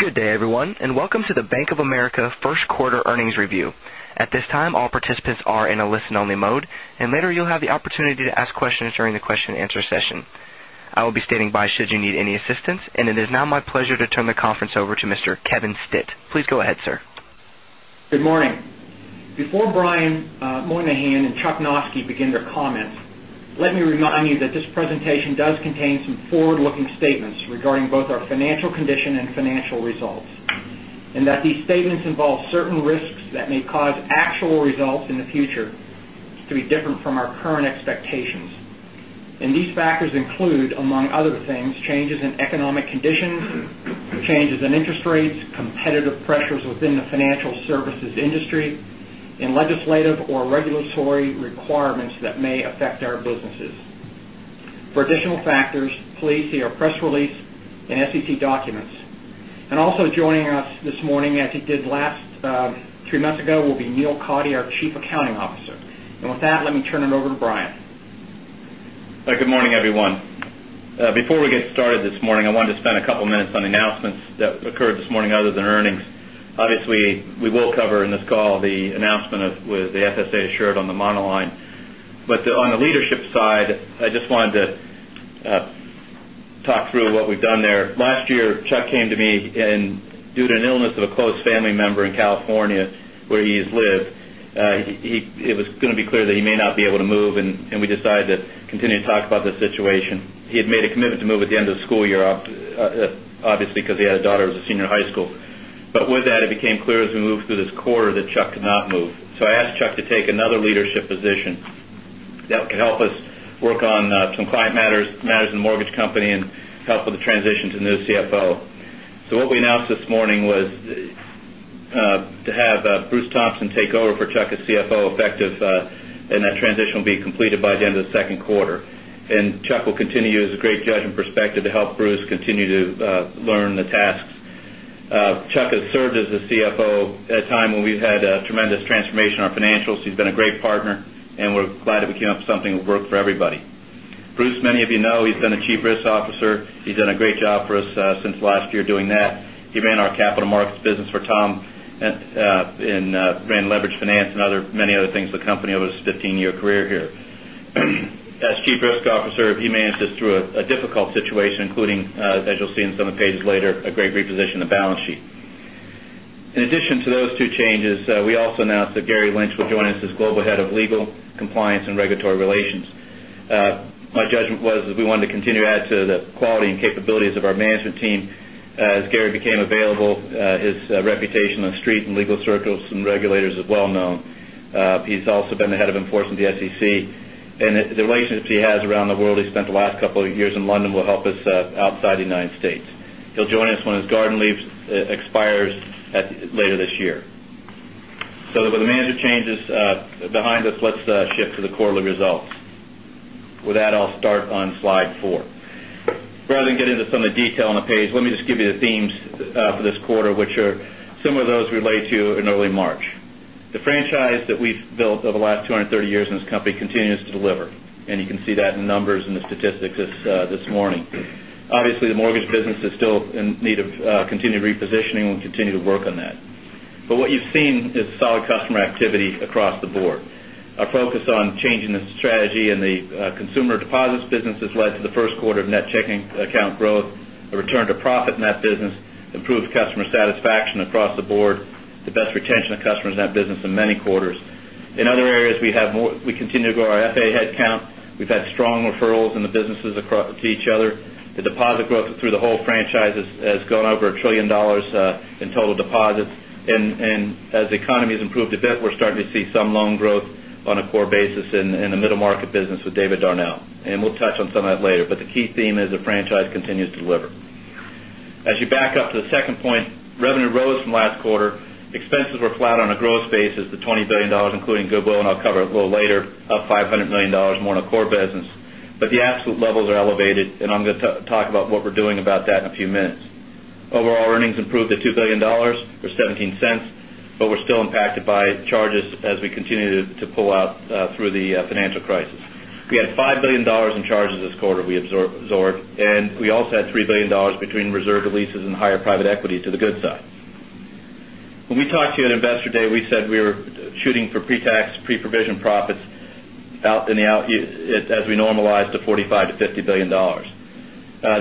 Good day, everyone, and welcome to the Bank of America First Quarter Earnings Review. At this time, all participants are in a listen only mode and later you'll have the opportunity to ask questions during the question and answer session. I will be standing by should you need any assistance. And it is now my pleasure to turn the conference over to Mr. Kevin Stitt. Please go ahead, sir. Good morning. Before Brian Moynihan and Chuck Noske begin their comments, let me remind you that this presentation does contain some forward looking statements regarding both our financial condition and financial current competitive pressures within the financial services industry and legislative or regulatory requirements that may affect our businesses. For additional factors, please see our press release and SEC documents. And also joining us this morning, as he did last 3 months ago, will be Neil Coddy, our Chief Officer. And with that, let me turn it over to Brian. Good morning, everyone. Before we get started this morning, I wanted to spend a couple of minutes on the announcements that occurred this morning other than earnings. Obviously, we will cover in this call the announcement with the FSA Assured on the monoline. But on the leadership side, I just wanted to talk through a due to an illness of a close family member in California, where he has lived, due to an illness of a close family member in California where he has lived, it was going to be clear that he may not be able to move and we decided to continue to talk about the situation. He had made a commitment to move at the end of the school year, obviously, because he had a daughter who was a senior in high school. But with that, it became clear as we moved through this quarter that Chuck could not move. So, I asked Chuck to take another leadership position that could help us work on some client matters in the mortgage company and help with the transition to new CFO. CFO. So what we announced this morning was to have Bruce Thompson take over for Chuck as CFO effective, and that Q2. And Chuck will continue as a great judge and perspective to help Bruce continue to learn the tasks. Chuck has served as the CFO at a time when we've had tremendous transformation in our financials. He's been a great partner and we're glad that we came up with something that worked for everybody. Bruce, many of you know, he's been a Chief Risk Officer. He's done a great job for us since last year doing that. He ran our capital markets business for Tom and ran leverage finance and many other things with the company over his 15 year career here. As Chief Risk Officer, he managed us through a difficult situation, including, as you'll see in some of the pages later, a great reposition of the balance sheet. In addition to those two changes, we also announced that Gary Lynch will join us as Global Head of Legal, Compliance and Regulatory Relations. My judgment was that we wanted to continue to add to the quality and capabilities of our management team. As Gary became available, his reputation on street and legal circles and regulators is well known. He's also been the Head of of the SEC. And the relationships he has around the world he spent the last couple of years in London will help us outside the United States. He'll join us when his garden leaves expires later this year. So with the management changes behind us, let's shift to quarterly results. With that, I'll start on Slide 4. Rather than get into some of the detail on the page, let me just give you the themes for this quarter, which are similar to those related to in early March. The franchise that we've built over the last 2 30 years in this company continues to deliver, and you can see that in numbers and the statistics this morning. Obviously, the mortgage business is still in need of continued repositioning and we continue to work on that. But what you've seen is solid customer activity across the board. Our focus on changing the strategy in the consumer deposits business has led to the Q1 of net checking account growth, a return to profit in that business, improved customer satisfaction across the board, the best retention of customers in that business in many quarters. In other areas, we have more we continue to grow our FA headcount. We've had strong referrals in the businesses to each other. The deposit growth through the whole franchise has gone over $1,000,000,000,000 in total deposits. And as the economy has improved a bit, we're starting to see some loan growth on a core basis in the middle market business with David Darnell. And we'll touch on some of that later, but the key theme is the franchise continues to deliver. As you back up to the second point, revenue rose from last quarter. Expenses were flat on a gross basis, the 20 dollars 1,000,000,000 including goodwill and I'll cover it a little later, up $500,000,000 more on the core business. But the absolute levels are elevated and I'm going to talk about what we're doing about that in a few minutes. Overall, earnings improved to $2,000,000,000 or $0.17 but we're still impacted by charges as we continue to pull out through the financial crisis. We had $5,000,000,000 in charges this quarter we absorbed and we also had $3,000,000,000 between reserve releases and higher private equities to the good side. When we talked to you at Investor Day, we said we were shooting for pre tax pre provision profits out in the out as we normalize to $45,000,000,000 to $50,000,000,000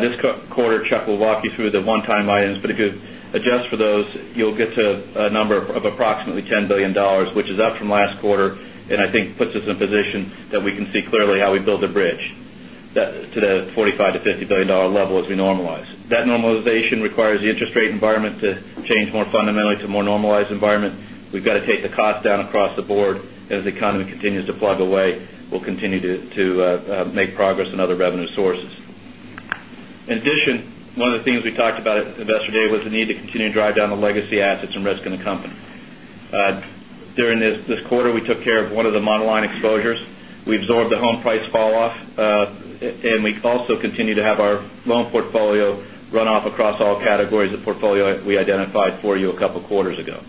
This quarter Chuck will walk you through the one time items, but if you adjust for those you'll get to a number of approximately $10,000,000,000 which is up from last quarter and I think puts us in a position that we can see clearly how we build the bridge to the $45,000,000,000 to $50,000,000,000 level as we normalize. That normalization requires the interest rate environment to change more fundamentally to a more normalized environment. We've got to take the cost down across the board as the economy continues to plug away, we'll continue to make progress in other revenue sources. In addition, one of the things we talked about at Investor Day was the need to continue to drive down the legacy assets and risk in the company. During this quarter, we took care of 1 of the monoline exposures. We absorbed the home price fall off and we also continue to have our loan portfolio run off across all categories of portfolio we identified for you a couple of quarters ago.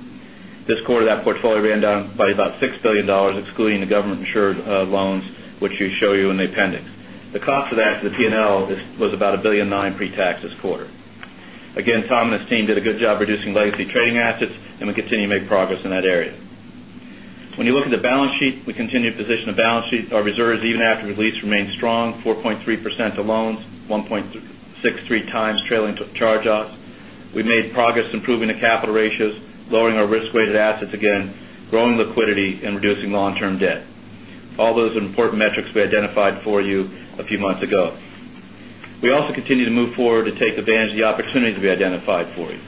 This quarter that portfolio ran down by about $6,000,000,000 excluding the government insured loans, which we show you in the appendix. The cost of that to the P and L was about $1,900,000,000 pretax this quarter. Again, Tom and his team did a good job reducing legacy trading assets and we continue to make progress in that area. When you look at the balance sheet, we continue to position the balance sheet. Our reserves even after the lease remained strong, 4.3% to loans, 1.63 times trailing charge offs. We made progress improving the capital ratios, lowering our risk weighted assets again, growing liquidity and reducing long term debt. All those are important metrics we identified for you a few months ago. We also continue to move forward take advantage of the opportunities we identified for you.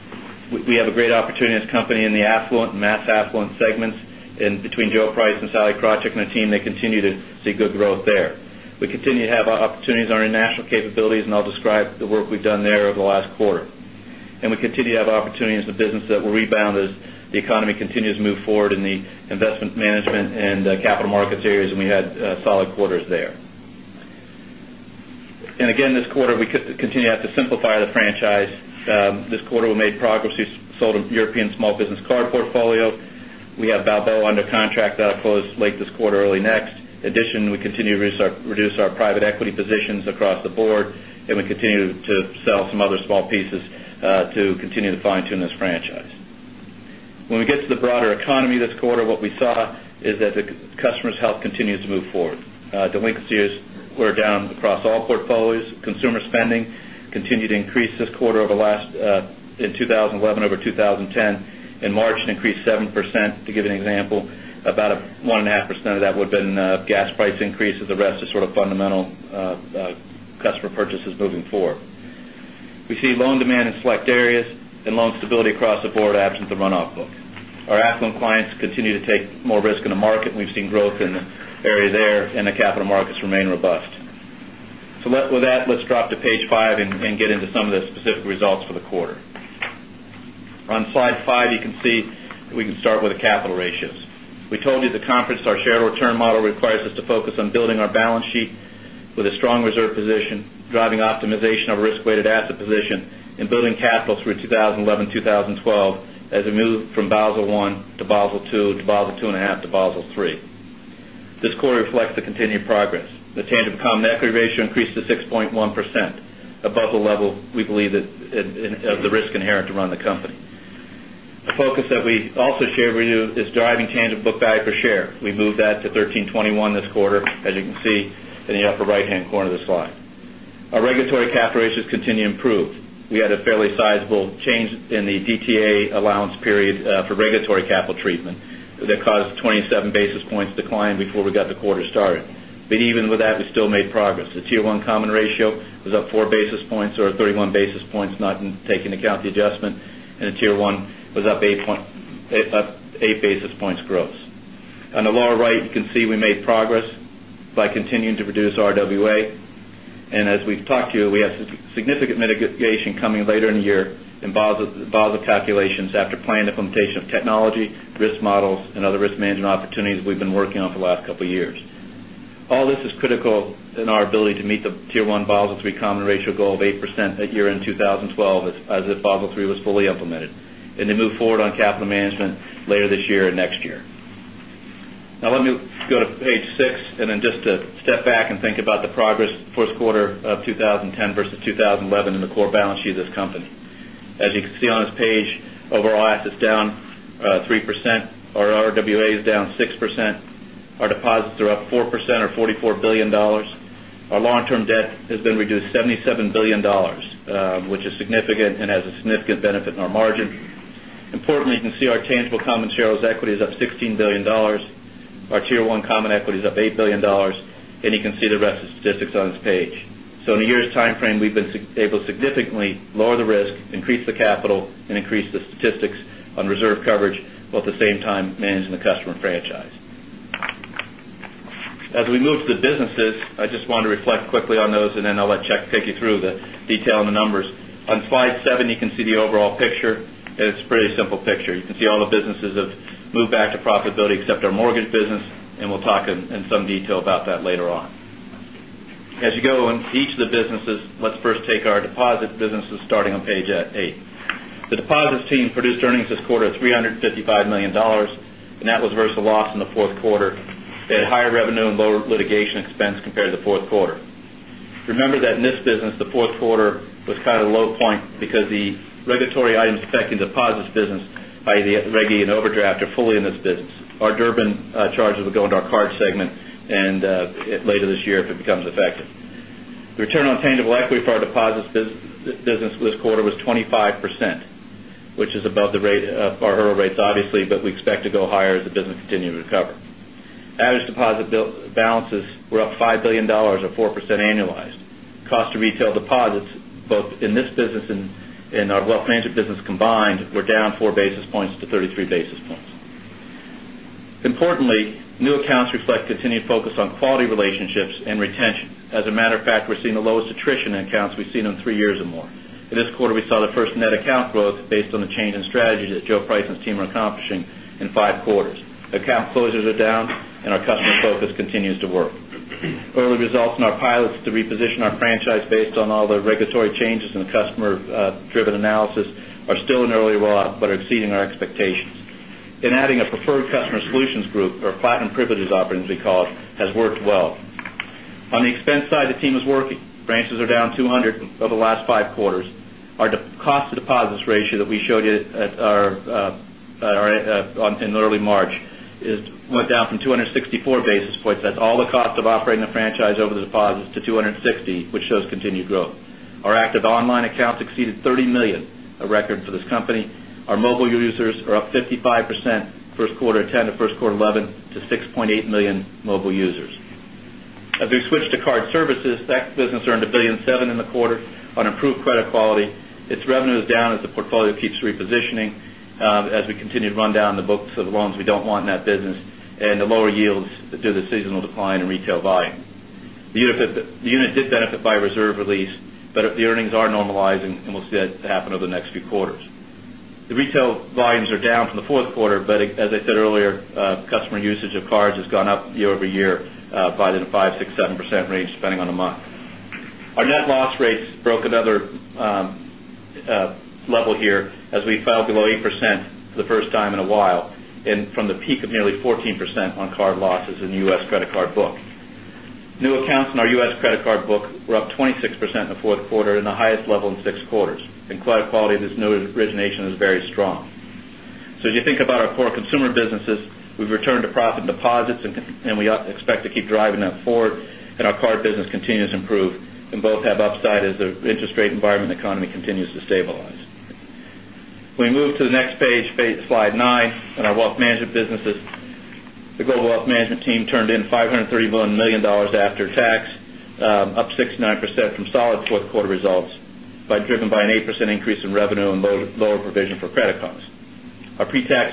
We have a great opportunity as a company in the affluent and mass affluent segments and between Joe Price and Krotzick and the team they continue to see good growth there. We continue to have opportunities on our international capabilities and I'll describe the work we've done there over the last quarter. And we continue to have opportunities in the business that will rebound as the economy continues to move forward in the investment management and capital markets areas and we had solid quarters there. And again, this quarter, we continue to have to simplify the franchise. This quarter, we made progress. We sold a European small business card portfolio. We have Balbo under contract that flows late this quarter, early next. In addition, we continue to reduce our private equity positions across the board and we continue to sell some other small pieces to continue to fine tune this franchise. When we get to the broader economy this quarter, what we saw is that the customers' health continues to move forward. Delinquencies were down across all portfolios. Consumer spending continued to increase this quarter over last in 2011 over 2010. In March, it increased 7%, to give you an example. About 1.5% of that would have been gas price increases, the rest is sort of fundamental customer purchases moving forward. We see loan demand in select areas and loan stability across the board absent the runoff book. Our affluent clients continue to take more risk in the market and we've seen growth in the area there and the capital markets remain robust. So with that, let's drop to page 5 and get into some of the specific results for the quarter. On Slide 5, you can see that we can start with the capital ratios. We told you at the conference to return model requires us to focus on building our balance sheet with a strong reserve position, driving optimization of risk weighted asset position, and building quarter reflects the continued progress. The tangible common equity ratio increased to 6.1%, above the level we believe that of the risk inherent to run the company. The focus that we also shared with you is driving tangible book value per share. We moved that to $13.21 this quarter as you can see in the upper right hand corner of the slide. Our regulatory cap ratios continue to improve. We had a fairly sizable change in the DTA allowance period for regulatory capital treatment that caused 27 basis points decline before we got the quarter started. But even with that, we still made progress. The Tier 1 common ratio was up basis points or 31 basis points, not taking into account the adjustment, and the Tier 1 was up 8 basis points growth. On the lower right, you can see we made progress by continuing to produce RWA. And as we've talked to you, we have significant mitigation coming later in the year and volatile calculations after planned implementation of technology, risk models and other risk management opportunities we've been working on for the last couple of years. All this is critical in our ability to meet the Tier 1 Basel III common ratio goal of 8% at year end 20 12 as if Basel III was fully implemented and to move forward on capital management later this year and next year. Now let me go to page 6 and then just step back and think about the progress Q1 of 2010 versus 2011 in the core balance sheet of this company. As you can see on this page, overall assets down 3%, our RWA is down 6%, our deposits are up 4% or $44,000,000,000 Our long term debt has been reduced $77,000,000,000 which is significant and has a significant benefit in our margin. Importantly, you can see our tangible common shareholders' equity is up $16,000,000,000 our Tier 1 common equity is up $8,000,000,000 and you can see the rest of the statistics on this page. So in the year's timeframe, we've been able to significantly lower the risk, increase the capital and increase the statistics on reserve coverage, while at the same time managing the customer franchise. As we move to the businesses, I just want to reflect quickly on those and then I'll let Chuck take you through the detail on the numbers. On Slide 7, you can see the overall picture and it's a pretty simple picture. You can see all the businesses have moved back to profitability except our mortgage business and we'll talk in some detail about that later on. As you go into each of the businesses, let's first take our deposit businesses starting on page 8. The deposits team produced earnings this quarter at $355,000,000 and that was versus loss in the 4th quarter. They had higher revenue and lower litigation expense compared to the Q4. Remember that in this business, the 4th quarter was kind of low point because the regulatory items affecting deposits business, I. E. The overdraft are fully in this business. Our Durbin charges will go into our cards segment later this year if it becomes effective. The return on tangible equity for deposits business this quarter was 25%, which is above the rate of our hurdle rates obviously, but we expect to go higher as the business continues to recover. Average deposit balances were up $5,000,000,000 or 4% annualized. Cost of retail deposits, both in this business and in our wealth management business combined, were down 4 basis points to 33 basis points. Importantly, new accounts reflect continued focus on quality relationships and retention. As a matter of fact, we're seeing the lowest attrition in accounts we've seen in 3 years or more. In this quarter, we saw the 1st net account growth based on the change in strategy that Joe Price and his team are accomplishing in 5 quarters. Account closures are down and our customer focus continues to work. Results in our pilots to reposition our franchise based on all the regulatory changes and customer driven analysis are still in early rollout but are exceeding our expectations. And adding a preferred customer solutions group or platinum privilege operating, as we call it, has worked well. On the expense side, the team is working. Branches are down 200 over the last 5 quarters. Our cost to deposits ratio that we showed you at our in early March is went down from 2 64 basis points. That's all the cost of operating the franchise over the deposits to 260, which shows continued growth. Our active online accounts exceeded 30,000,000, a record for this company. Our mobile users are up 55% Q1 10 to 1st quarter 11 to 6,800,000 mobile users. As we switch to card services, that business earned $1,700,000,000 in the quarter on improved credit quality. Its revenue as the portfolio keeps repositioning as we continue to run down the books of the loans we don't want in that business and the lower yields due to the seasonal decline in retail volume. The unit did benefit by reserve release, but the earnings are normalizing and we'll see that happen over the next few quarters. The retail volumes are down from the Q4, but as I said earlier, customer usage of cards has gone up year over year by the 5%, 6%, 7% range depending on a month. Our net loss rates broke another level here as we fell below 8% for the first time in a while and from the peak of nearly 14% on card losses in the U. S. Credit card book. New accounts in our U. S. Credit card book were up 26% in the 4th quarter and the highest level in 6 quarters. And credit quality of this noted origination is very strong. So as you think about our core consumer businesses, we've returned to profit and deposits and we expect to keep driving that forward and our card business continues to improve and both have upside as the interest rate environment economy continues to stabilize. We move to the next page, Slide 9, on our Wealth Management businesses. The Global Wealth Management team turned in $531,000,000 after tax, up 69% from solid 4th quarter results, driven by an 8% increase in revenue and lower provision for credit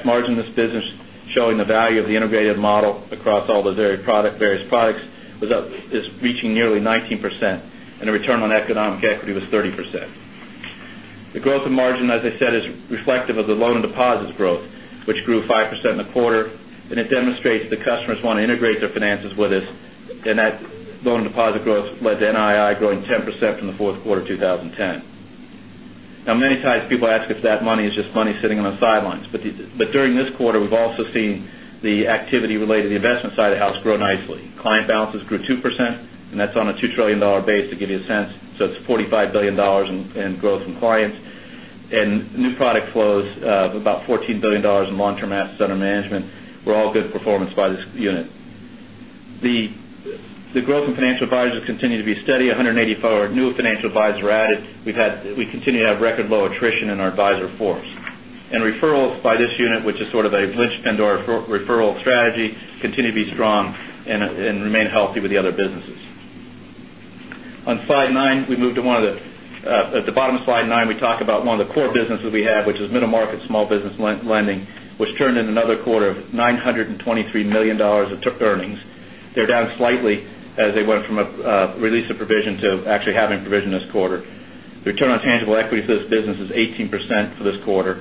margin in this business showing the value of the integrated model across all those various products was reaching nearly 19% and the return on economic equity was 30%. The growth in margin, as I said, is reflective of the loan and deposits growth, which grew 5 percent in the quarter and it demonstrates that customers want to integrate their finances with us and that loan and deposit growth led to NII growing 10% from the Q4 of 2010. Now many times people ask if that money is just money sitting on the sidelines. But during this quarter, we've also seen the activity related to the investment side of the house grow nicely. Client balances grew 2% and that's on a $2,000,000,000,000 base to give you a sense. So it's $45,000,000,000 in growth from clients. And new product flows of about $14,000,000,000 in long term assets under management were all good performance by this unit. The growth in financial advisors continue to be steady, 184 new financial advisor added. We've had we continue to have record low attrition in our advisor force. And referrals by this unit, which is sort of a Lynch Pandora referral strategy, continue to be strong and remain healthy with the other businesses. On Slide 9, we move to 1 of the at the bottom of Slide 9, we talk about one of the core businesses we have, which is middle market small business lending, which turned in another quarter of $923,000,000 of earnings. They're down slightly as they went from a release of provision to actually having provision this quarter. The return on tangible equity for this business is 18% for this quarter.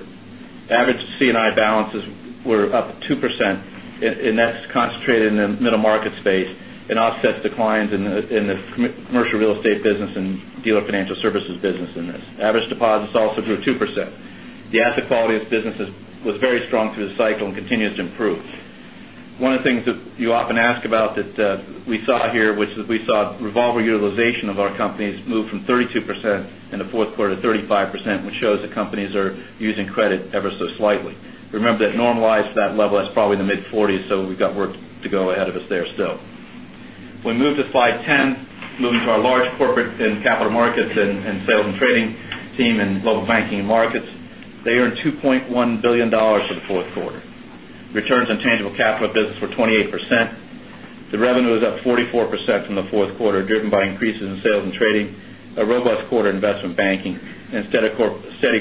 Average C and I balances were up 2% and that's concentrated in the middle market space and offsets declines in the commercial real estate business and dealer financial services business in this. Average deposits also grew 2%. The asset quality of this business very strong through the cycle and continues to improve. One of the things that you often ask about that we saw here, which is we saw revolver utilization of our companies move from 32% in the 4th quarter to 35%, which shows that companies are using credit ever so slightly. Remember that normalized to that level, that's probably in the mid-40s, so we've got work to go ahead of us there still. We move to slide 10, moving to our large corporate and capital markets and sales and trading team Global Banking and Markets. They earned $2,100,000,000 for the 4th quarter. Returns on tangible capital of business were 28%. The revenue was up 44% in the 4th quarter, driven by increases in sales and trading, a robust quarter in Investment Banking and steady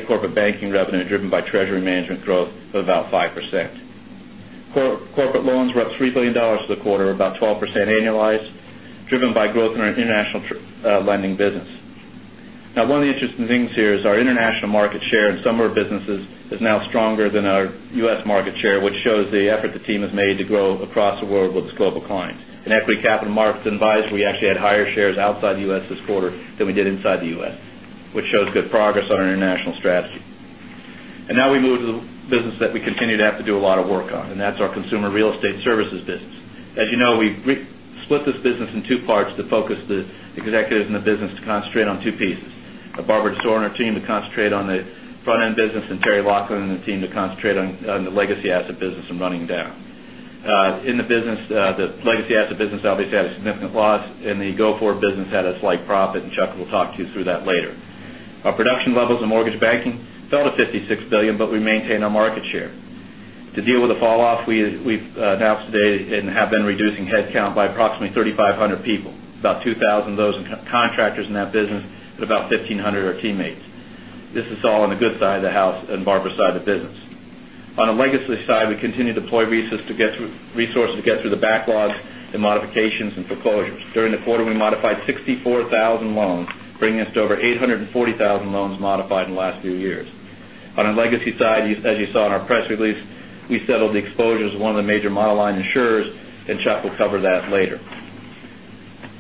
corporate banking revenue driven by treasury management growth of about 5%. Corporate loans were up $3,000,000,000 for the quarter, about 12% annualized driven by growth in our international lending business. Now one of the interesting things here is our international market share in some of our businesses is now stronger than our U. S. Market share, which shows the effort the team has made to grow across the world with its global clients. In Equity Capital Markets and Advisory, we actually had higher shares outside the U. S. This quarter than we did inside the U. S, which shows good progress on our international strategy. And now we move to the business that we continue to have to do a lot of work on and that's our consumer real estate services business. As you know, we split this business in 2 parts to focus the executives in the business to concentrate on 2 pieces, our team to concentrate on the front end business and Terry Laughlin and the team to concentrate on the legacy asset business and running down. In the business, the legacy asset business obviously had a significant loss and the go forward business had a slight profit and Chuck will talk to you through that later. Our production levels in mortgage banking fell to $56,000,000,000 but we maintained our market share. To deal with the fall off, we've announced today and have been reducing headcount by approximately 3,000 500 people. About 2,000 of those contractors in that business and about 1500 are teammates. This is all on the good side of the house and Barber side of the business. On the legacy side, we continue to deploy resources to get through the backlogs and modifications and foreclosures. During the quarter, we modified 64,000 loans, bringing us to over 840,000 loans modified in the last few years. On a legacy side, as you saw in our press release, we settled the exposures one of the major model line insurers and Chuck will cover that later.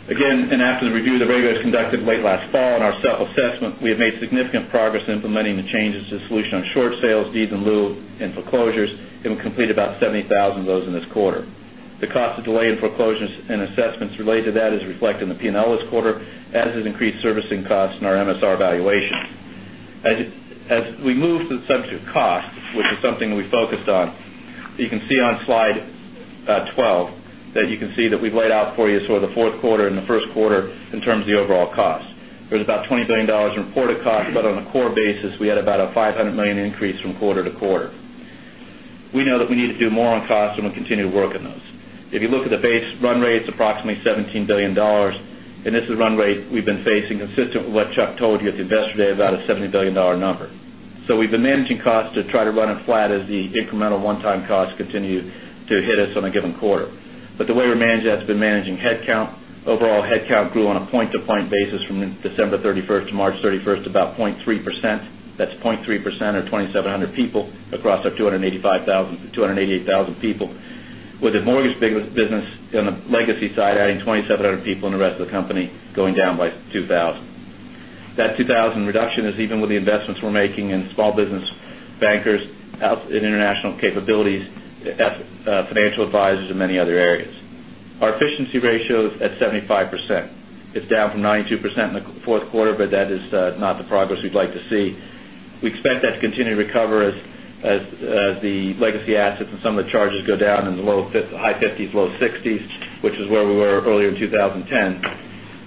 Again, and after the review of the regulators conducted late last fall and our self assessment, we have made significant progress implementing the changes to the solution on short sales, deeds in lieu and foreclosures and we completed about 70,000 of those in this quarter. The cost of delay in foreclosures and assessments related to that is reflected in the P and L this quarter as is increased servicing costs in our MSR valuation. As we move to the subject of costs, which is something that we focused on, you can see on Slide 12 that you can see that we've laid out for you for the Q4 and the Q1 in terms of the overall cost. There's about $20,000,000,000 in reported cost, but on a core basis, we had about a 500 dollars increase from quarter to quarter. We know that we need to do more on costs and we'll continue to work on those. If you look at the base run rate, it's approximately $17,000,000,000 and this is the run rate we've been facing consistent with what Chuck told you at the Investor Day about a $70,000,000,000 number. So, we've been managing costs to try to run it flat as the incremental one time costs continue to hit us on a given quarter. But the way we manage that is we've been managing head count. Overall head count grew on a point to point basis from December 31 to March 31 to about 0.3%. That's 0.3% or 2,700 people across our 288,000 people with the mortgage business on the legacy side adding 2,700 people and the rest of the company going down by 2,000. That 2,000 reduction is even with the investments we're making in small business bankers in international capabilities, financial advisors and many other areas. Our efficiency ratio is at 70 5%. It's down from 92% in the Q4, but that is not the progress we'd like to see. We expect that to continue to recover as the legacy assets and some of the charges go down in the low-50s, low-60s, which is where we were earlier in 2010.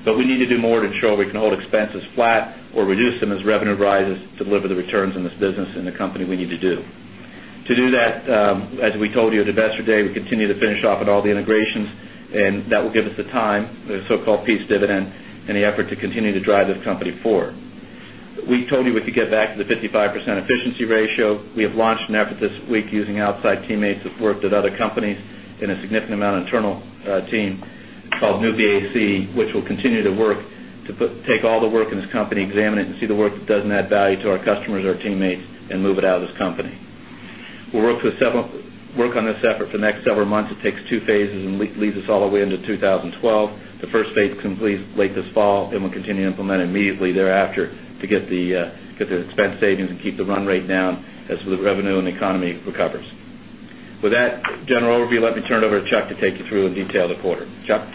But we need to do more to ensure we can hold expenses flat or reduce them as revenue rises to deliver the returns in this business and the company we need to do. To do that, as we told you at Investor Day, we continue to finish off at all the integrations and that will give us the time, the so called peace dividend and the effort to continue to drive this company forward. We told you we could get back to the 55% efficiency ratio. We have launched an effort this week using outside teammates who've worked at other companies in a significant amount of internal team called new BAC, which will continue to work to take all the work in this company, examine it and see the work that doesn't add value to our customers, our teammates and move it out of this company. We'll work on this effort for the next several months. It takes 2 phases and leads us all the way into 2012. The first phase completes late this fall and we'll continue to implement immediately thereafter to get the expense savings and keep the run rate down as the revenue and the economy recovers. With that general overview, let me turn it over to Chuck to take you through the quarter. Chuck?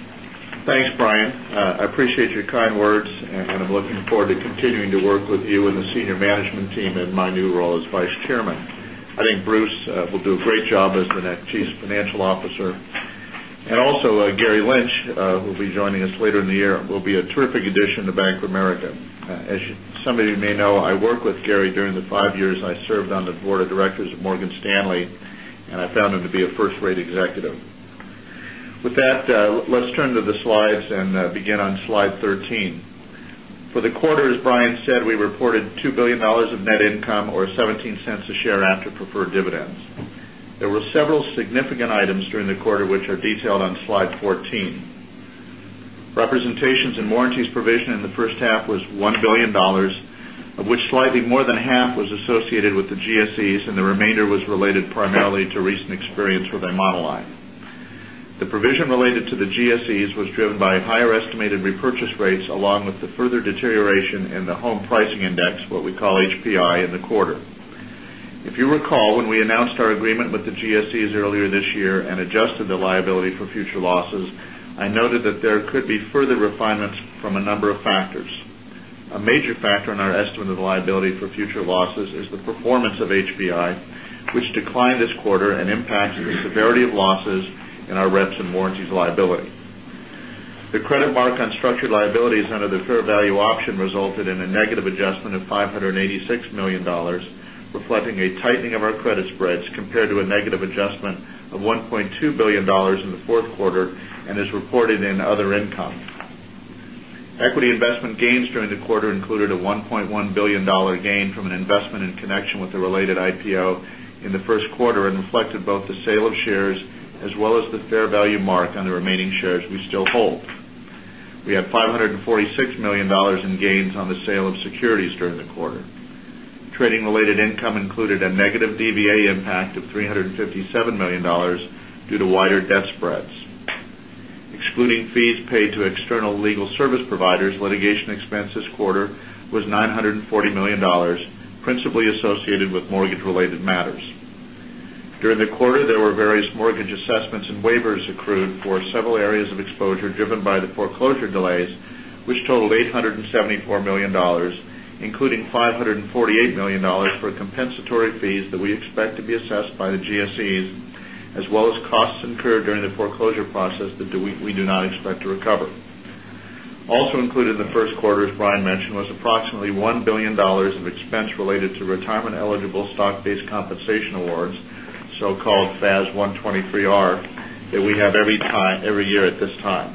Thanks, Brian. I appreciate your kind words and I'm looking forward to continuing to work with you and the senior management team in my new role as Vice Chairman. I think Bruce will do a great job as the Chief Financial Officer. And also Gary Lynch, who will be joining us later in the year, will be a terrific addition to Bank of America. As some of you may know, I worked with Gary during the 5 years I served on the Board of Directors of Morgan Stanley, and I found him to be a 1st rate executive. With that, let's turn to the slides and begin on Slide 13. For the quarter, as Brian said, we reported $2,000,000,000 of net income or $0.17 a share after preferred dividends. There were several significant items during the quarter, which are detailed on Slide 14. Representations and warranties provision in the first half was $1,000,000,000 of which slightly more than half was associated with the GSEs and the remainder was related primarily to recent experience with Imoneline. The provision related to the GSEs was driven by higher estimated repurchase rates along with the further deterioration in the home pricing index, what we call HPI in the quarter. If you recall, when we announced agreement with the GSEs earlier this year and adjusted the liability for future losses, I noted that there could be further refinements from a number of factors. A major factor in our estimate of liability for future losses is the performance of HBI, which declined this quarter and impacted the severity of losses in our rents and warranties liability. The credit mark on structured liabilities under the fair value option resulted in a negative adjustment of $586,000,000 reflecting a tightening of our credit spreads compared to a negative adjustment of $1,200,000,000 in the 4th quarter and as reported in other income. Equity gains during the quarter included a $1,100,000,000 gain from an investment in connection with the related IPO in the Q1 and reflected both the sale of shares as well as the fair value mark on the remaining shares we still hold. We have 546,000,000 dollars in gains on the sale of securities during the quarter. Trading related income included a negative DVA impact of 3.50 $7,000,000 due to wider debt spreads. Excluding fees paid to external legal service providers, litigation expense this quarter was $940,000,000 principally associated with mortgage related matters. During the quarter, there were various mortgage assessments and waivers accrued for several areas of exposure driven by the foreclosure delays, which totaled $874,000,000 including 5 $48,000,000 for compensatory fees that we expect to be assessed by the GSEs as well as costs incurred during the foreclosure process that we do not expect to recover. Also included in the Q1, as Brian mentioned, was approximately $1,000,000,000 of expense related to retirement eligible stock based compensation awards, so called FAS 123R that we have every year at this time.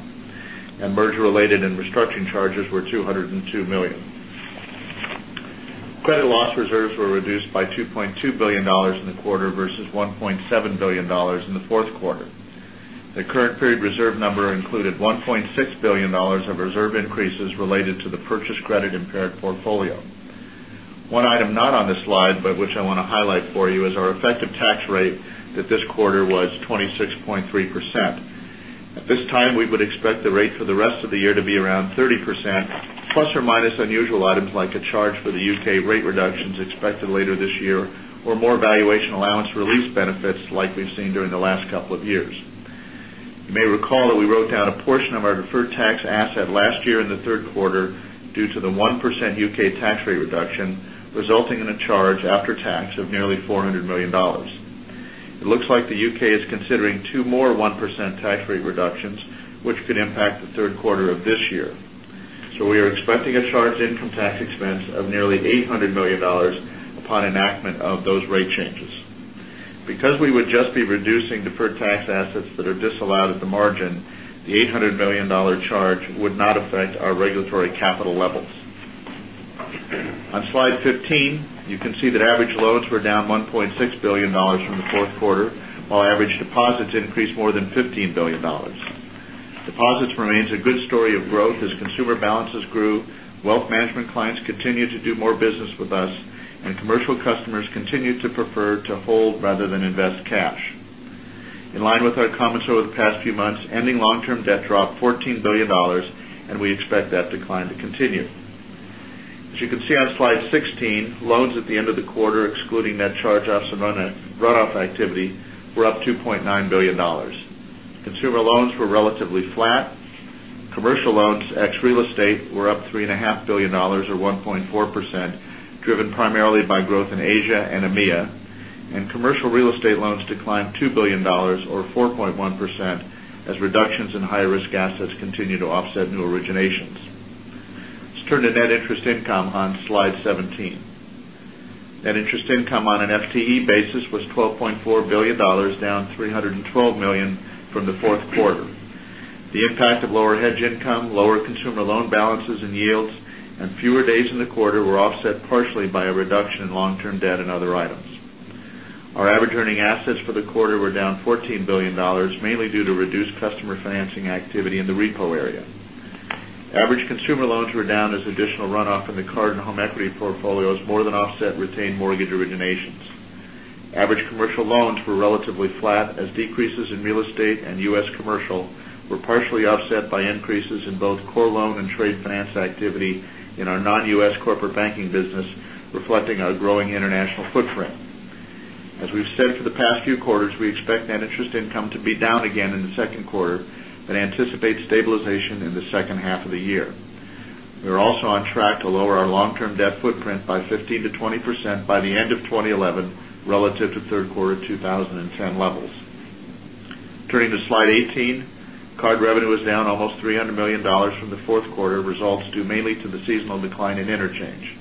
And merger related and restructuring charges were 202,000,000 $1,000,000,000 in the 4th quarter. The current period reserve number included $1,600,000,000 of reserve increases related to the purchase credit impaired portfolio. One item not on this slide, but which I want to highlight for you is our effective tax rate that this quarter was 26.3 percent. At this time, we would expect the rate for the rest of the year to be around 30%, plus or minus unusual items like a charge for the UK rate reductions expected later this year or more valuation allowance release benefits like we've seen during the last couple of years. You may recall that we wrote down a portion of our deferred tax asset last year in Q3 due to the 1% UK tax rate reduction, resulting in a charge after tax of nearly $400,000,000 It looks like the UK is considering 2 more 1% tax rate reductions, which could impact the Q3 of this year. So we are expecting a charge income tax expense of nearly $800,000,000 upon enactment of dollars charge would not affect our regulatory capital levels. Dollars charge would not affect our regulatory capital levels. On Slide 15, you can see that average loans were down $1,600,000,000 from the 4th quarter, while average deposits increased more than $15,000,000,000 Deposits remains a good story of growth consumer balances grew, wealth management clients continue to do more business with us and commercial customers continue to prefer to hold rather than invest cash. In line with our comments over the past few months, ending long term debt dropped $14,000,000,000 and we expect that decline to continue. As you can see on Slide 16, As you can see on Slide 16, loans at the end of the quarter excluding net charge offs and runoff activity were up $2,900,000,000 Consumer loans were relatively flat. Commercial loans ex real estate were up $3,500,000,000 or 1.4 percent driven primarily by growth in Asia and EMEA and commercial real estate loans declined $2,000,000,000 or 4.1 percent as reductions in higher risk assets continue to offset new originations. Net interest income on Slide 17. Net interest income on an FTE basis was $12,400,000,000 down 3 $12,000,000 from the 4th quarter. The impact of lower hedge income, lower consumer loan balances and yields and fewer days in the quarter were offset partially by a reduction in long term debt and other items. Our average earning assets for the quarter were down $14,000,000,000 mainly due to reduced customer financing activity in the repo area. Average consumer loans were down as additional runoff in the card and home equity portfolios more than offset retained mortgage originations. Average commercial loans were relatively flat as decreases in real estate and U. S. Commercial were partially offset by increases in both core loan and trade finance activity in our non U. S. S. Corporate banking business reflecting our growing international footprint. As we've said for the past few quarters, we expect net interest income to be down long term debt footprint by 15% to 20% by the end of 2011 relative to Q3 2010 levels. Turning to Slide 18, card was down almost $300,000,000 from the 4th quarter results due mainly to the seasonal decline in interchange.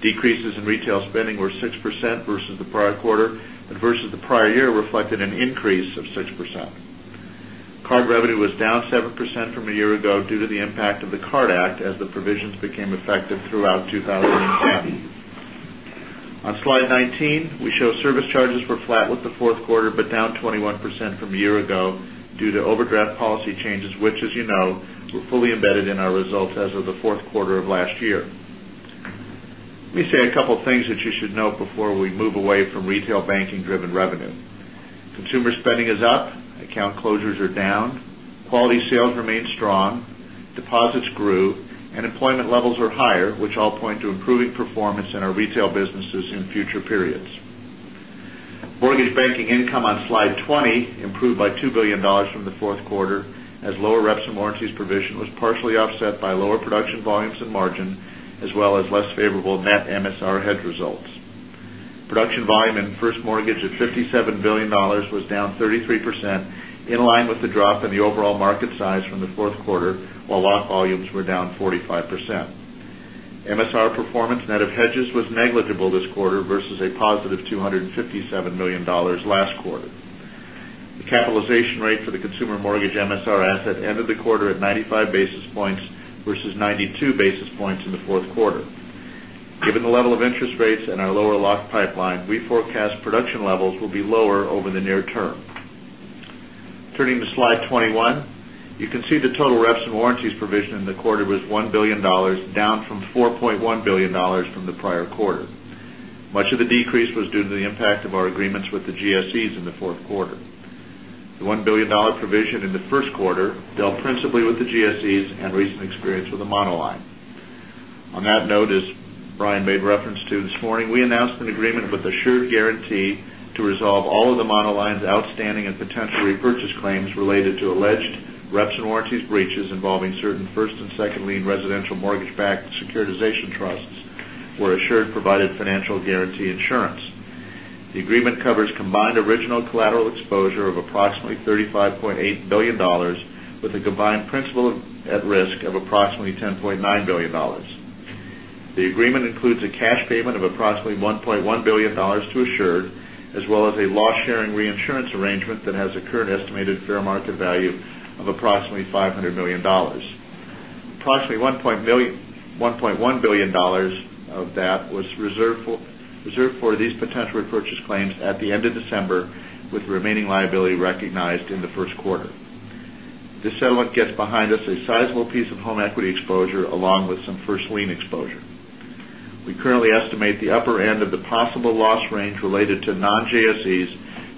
Decreases in retail spending were 6% versus the prior quarter, but versus the prior year reflected an increase of 6%. Card revenue was down 7% from a year ago due to the impact of the Card Act as the provisions became effective throughout 2020. On Slide 19, we show service charges were flat with the 4th quarter, but down 21% from a year ago due to overdraft policy changes, which as you know, were fully embedded in our results as of the 4th quarter of last year. Let me say a couple of things that you should note before we move away from retail banking driven revenue. Consumer spending is up, account closures are down, quality sales remain strong, deposits grew and employment levels are higher, which all point to improving performance in our retail businesses in future periods. Mortgage banking income on Slide 20 improved by $2,000,000,000 from the 4th quarter as lower reps and warranties provision was partially offset by lower production volumes and margin as well as less favorable net MSR hedge results. Production volume in 1st mortgage of $57,000,000,000 was down 33%, in line with the drop in the overall market size from the 4th quarter, while lock volumes were down 45%. MSR performance net of hedges was negligible this quarter versus a positive 2 $57,000,000 last quarter. The capitalization rate for the consumer mortgage MSR asset ended the quarter at 95 basis points versus 92 basis points in the 4th quarter. Given the level of interest rates and our lower lock pipeline, we forecast production levels will be lower over the near term. Turning to Slide 21, you can see the total reps and warranties provision in the quarter was $1,000,000,000 down from $4,100,000,000 from the prior quarter. Much of the decrease was due to the impact of our agreements with the GSEs in the Q4. The $1,000,000,000 provision in the Q1 dealt principally with the GSEs and recent experience with the Monoline. On that note, as Brian made reference to this morning, we announced an agreement with Assured Guaranty to resolve all of the Monoline's outstanding and potential repurchase claims related to alleged reps and warranties breaches involving certain 1st and second lien residential mortgage backed securitization trusts where Assured provided financial guarantee insurance. The agreement covers original collateral exposure of approximately $35,800,000,000 with a combined principal at risk of approximately 10 point $9,000,000,000 The agreement includes a cash payment of approximately $1,100,000,000 to Assured as well as a loss sharing reinsurance arrangement that has a current estimated fair market value of approximately $500,000,000 Approximately $1,100,000,000 of that was reserved for these potential repurchase claims at the end of December with remaining liability recognized in the Q1. The settlement gets behind us a sizable piece of home equity exposure along with some first lien exposure. We currently estimate end of the possible loss range related to non JSEs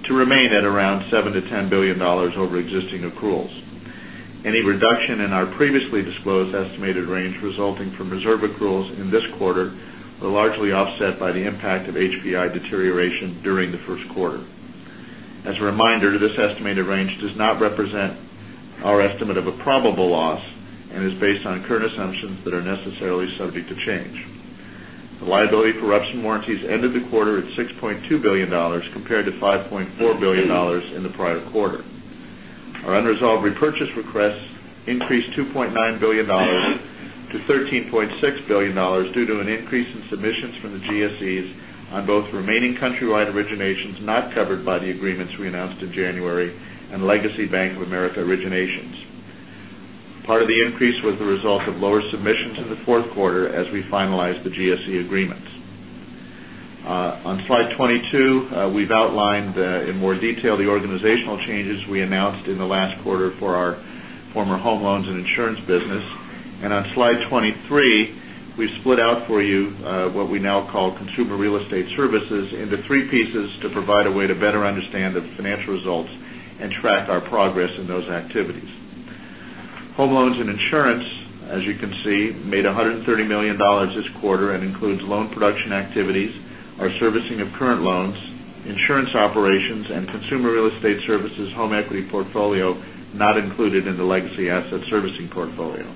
to remain at around $7,000,000,000 to $10,000,000,000 over existing accruals. Any reduction in our previously disclosed estimated range resulting from reserve accruals in this quarter were largely offset by the impact of HPI deterioration during the Q1. As a reminder, this estimated range does not represent our estimate of a probable loss and is based on current assumptions that are necessary subject to change. The liability for RUPS and warranties ended the quarter at $6,200,000,000 compared to $5,400,000,000 in the prior quarter. Our in On Slide 22, we've outlined the On Slide 22, we've outlined in more detail the organizational changes we announced in the last quarter for our former home loans and insurance business. And on Slide 23, we split out for you what we now call consumer real estate services into 3 pieces to provide a way to better understand the financial results and track our progress in those activities. Home Loans and Insurance, as you can see, made $130,000,000 this quarter and includes loan production the legacy asset servicing portfolio.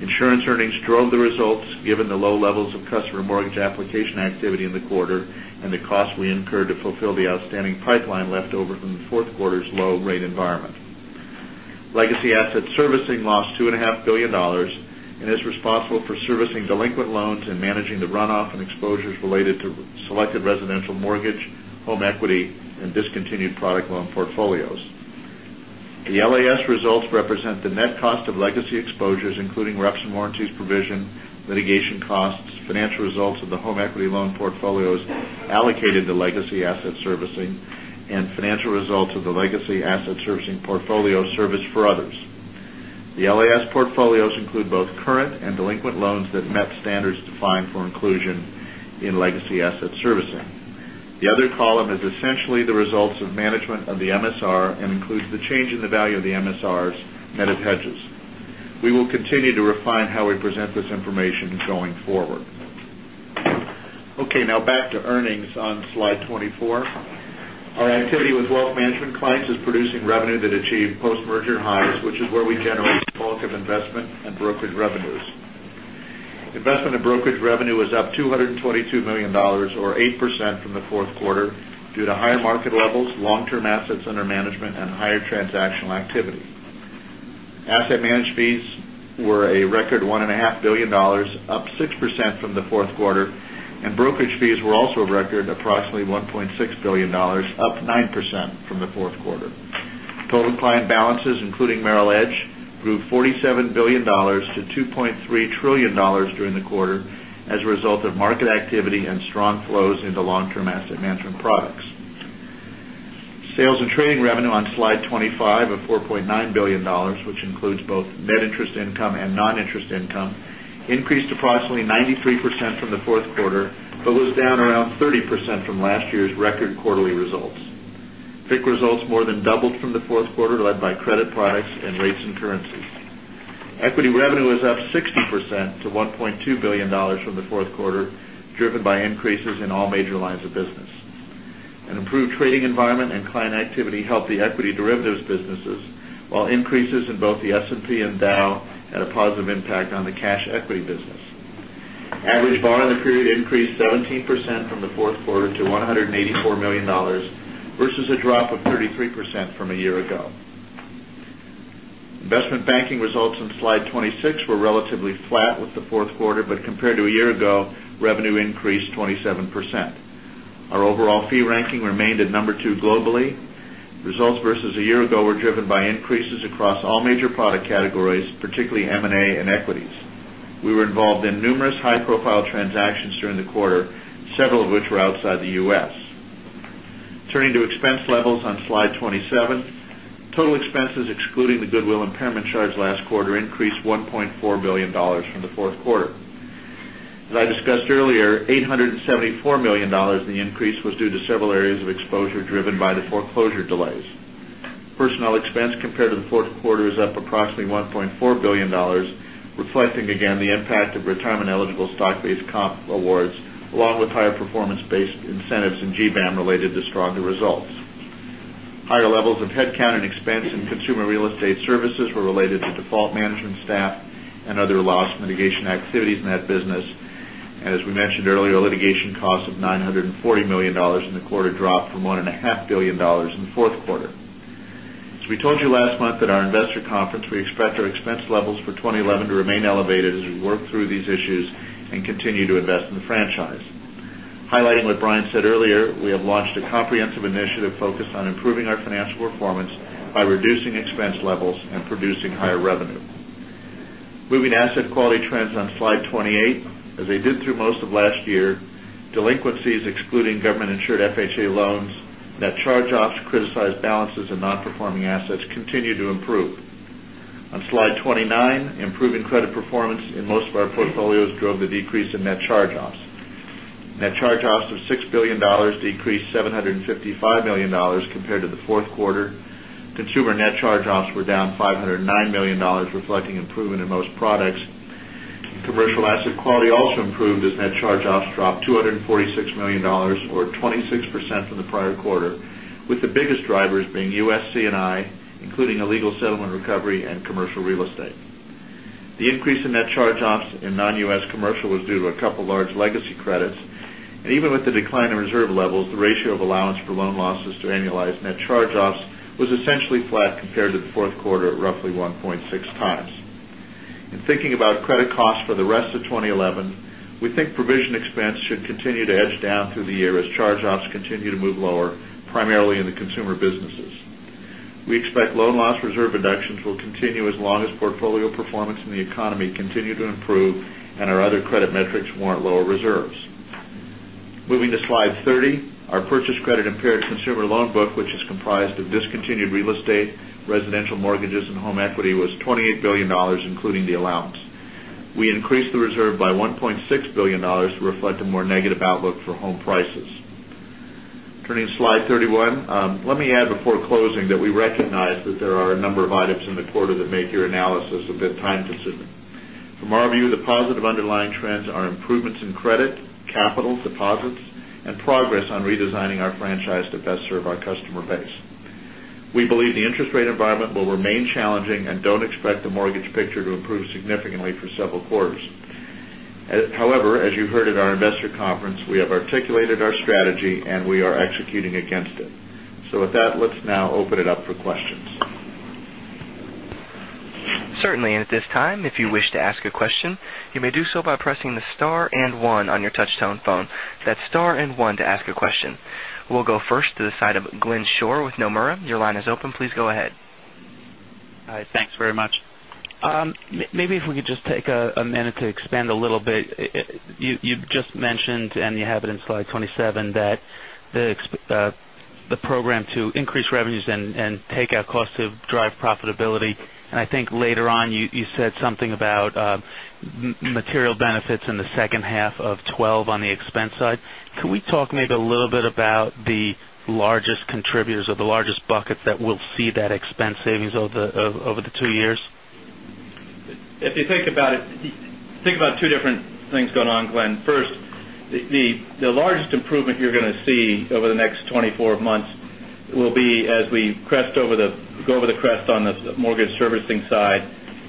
Insurance earnings drove the results given the low levels of customer mortgage application activity in the quarter and we incurred to fulfill the outstanding pipeline left over from the 4th quarter's low rate environment. Legacy asset servicing lost $2,500,000,000 and is responsible for servicing delinquent loans and managing the runoff and exposures related to selected residential mortgage, home equity and discontinued product loan portfolios. The LAS results represent the net cost of legacy exposures including reps and warranties provision, litigation costs, financial results of the home equity loan portfolios allocated to legacy asset servicing and financial results of the legacy asset servicing portfolio service for others. The LAS portfolios include both current and delinquent loans that met standards defined for inclusion in legacy asset servicing. The other column is essentially the results of management of the MSR and includes the change in the value of the MSRs, net of hedges. We will continue to refine how we present this information going forward. Slide 24. Our activity with Wealth Management clients is producing revenue that achieved post merger highs, which is where we generate bulk of investment and brokerage revenues. Investment in brokerage revenue was up $222,000,000 or 8% from the 4th quarter due to higher market levels, long term assets under management and higher transactional activity. Asset managed fees were a record $1,500,000,000 up 6% from the 4th quarter and brokerage fees were also a record approximately $1,600,000,000 up 9% from the 4th quarter. Total client balances including Merrill Edge grew $47,000,000,000 to $2,300,000,000,000 during the quarter as a result of market activity and strong flows into long term asset management products. Sales and trading revenue on Slide 25 of $4,900,000,000 which includes both net percent from last year's record quarterly results. FIC results more than doubled from the 4th quarter, led by credit products and rates and currencies. Equity revenue was up 60% to $1,200,000,000 from the 4th quarter, driven by increases in all major lines of business. An improved trading environment and client activity help Average bar in the period increased 17% from the 4th quarter to $184,000,000 versus a drop of 33% from a year ago. Investment Banking results on Slide 26 were relatively flat with the 4th quarter, but compared to a year ago, revenue increased 27%. Our overall fee ranking remained at number 2 globally. Results versus a year ago were driven increases across all major product categories, particularly M and A and Equities. We were involved in numerous high profile transactions during the quarter, several of which were outside the U. S. Turning to expense levels on Slide 27. Total expenses excluding the goodwill impairment charge increased $1,400,000 from the 4th quarter. As I discussed earlier, dollars 874,000,000 of the increase was due to several areas of exposure driven the foreclosure delays. Personnel expense compared to the 4th quarter is up approximately $1,400,000,000 reflecting again the impact of retirement eligible stock based comp awards along with higher performance based incentives and GBAM related to stronger results. Higher levels of headcount and expense in consumer real estate services were related to default management staff and other loss mitigation activities in that business. And as we mentioned earlier, litigation costs of $940,000,000 in the quarter dropped from 1,500,000,000 dollars in the 4th quarter. As we told you last month at our investor conference, we expect our expense levels for 2011 to remain elevated as we work through these issues and continue to invest in franchise. Highlighting what Brian said earlier, we have launched a comprehensive initiative focused on improving our financial performance by reducing expense levels and producing higher revenue. Moving to asset quality trends on Slide 28. As I did through most of last year, delinquencies excluding government insured FHA loans, net charge offs criticized balances and non performing assets continue to improve. On On $755,000,000 compared to the 4th quarter. Consumer net charge offs were down $509,000,000 reflecting improvement in most products. Commercial asset quality also improved as net charge offs dropped $246,000,000 or 26% from the prior quarter, with the biggest drivers being U. S. C and I, including a legal settlement recovery and commercial real estate. The increase in net charge offs in non U. S. Commercial was due to a couple of large legacy credits. And even with the decline in reserve levels, the ratio of allowance for loan losses to annualized net charge offs was essentially flat compared to the Q4 at roughly 1.6x. And thinking about credit costs for the rest of 20 11, we think provision expense should continue to hedge down through the year as charge offs continue to move lower primarily in the consumer businesses. We expect loan loss reserve reductions will continue as long as portfolio performance in the economy continue to improve and other credit metrics warrant lower reserves. Moving to Slide 30, our purchase credit impaired consumer loan book, which is comprised of discontinued real estate, residential mortgages and home equity was $28,000,000,000 including the allowance. We increased the reserve by $1,600,000,000 to reflect a more negative outlook for home prices. Turning to Slide 31, let me add before closing that we recognize that there are a number of items in the quarter that make your analysis a bit time consuming. From our view, the positive underlying trends are improvements in credit, capital, deposits and progress on redesigning our franchise to best serve our customer base. We believe the interest rate environment will remain challenging and don't expect the mortgage picture to improve significantly for several quarters. However, as you heard at our investor conference, we have articulated our strategy and we are executing against it. So with that, let's now open it up for questions. We'll go first to the side of Glenn Schorr with Nomura. Your line is open. Please go ahead. Hi, thanks very much. Maybe if we could just take a minute to expand a little bit. You've just mentioned and you have it in slide 27 that the program to increase revenues and take out costs to drive profitability. And I think later on you said something about material benefits in the second half of twenty twelve on the expense side. Can we talk maybe a little bit about the largest contributors or the largest buckets that we'll see that expense savings over the 2 years? If you think about it, think about 2 different things going on, Glenn. First, the largest improvement you're going to see over the next 24 months will be as we crest over the go over the crest on the mortgage servicing side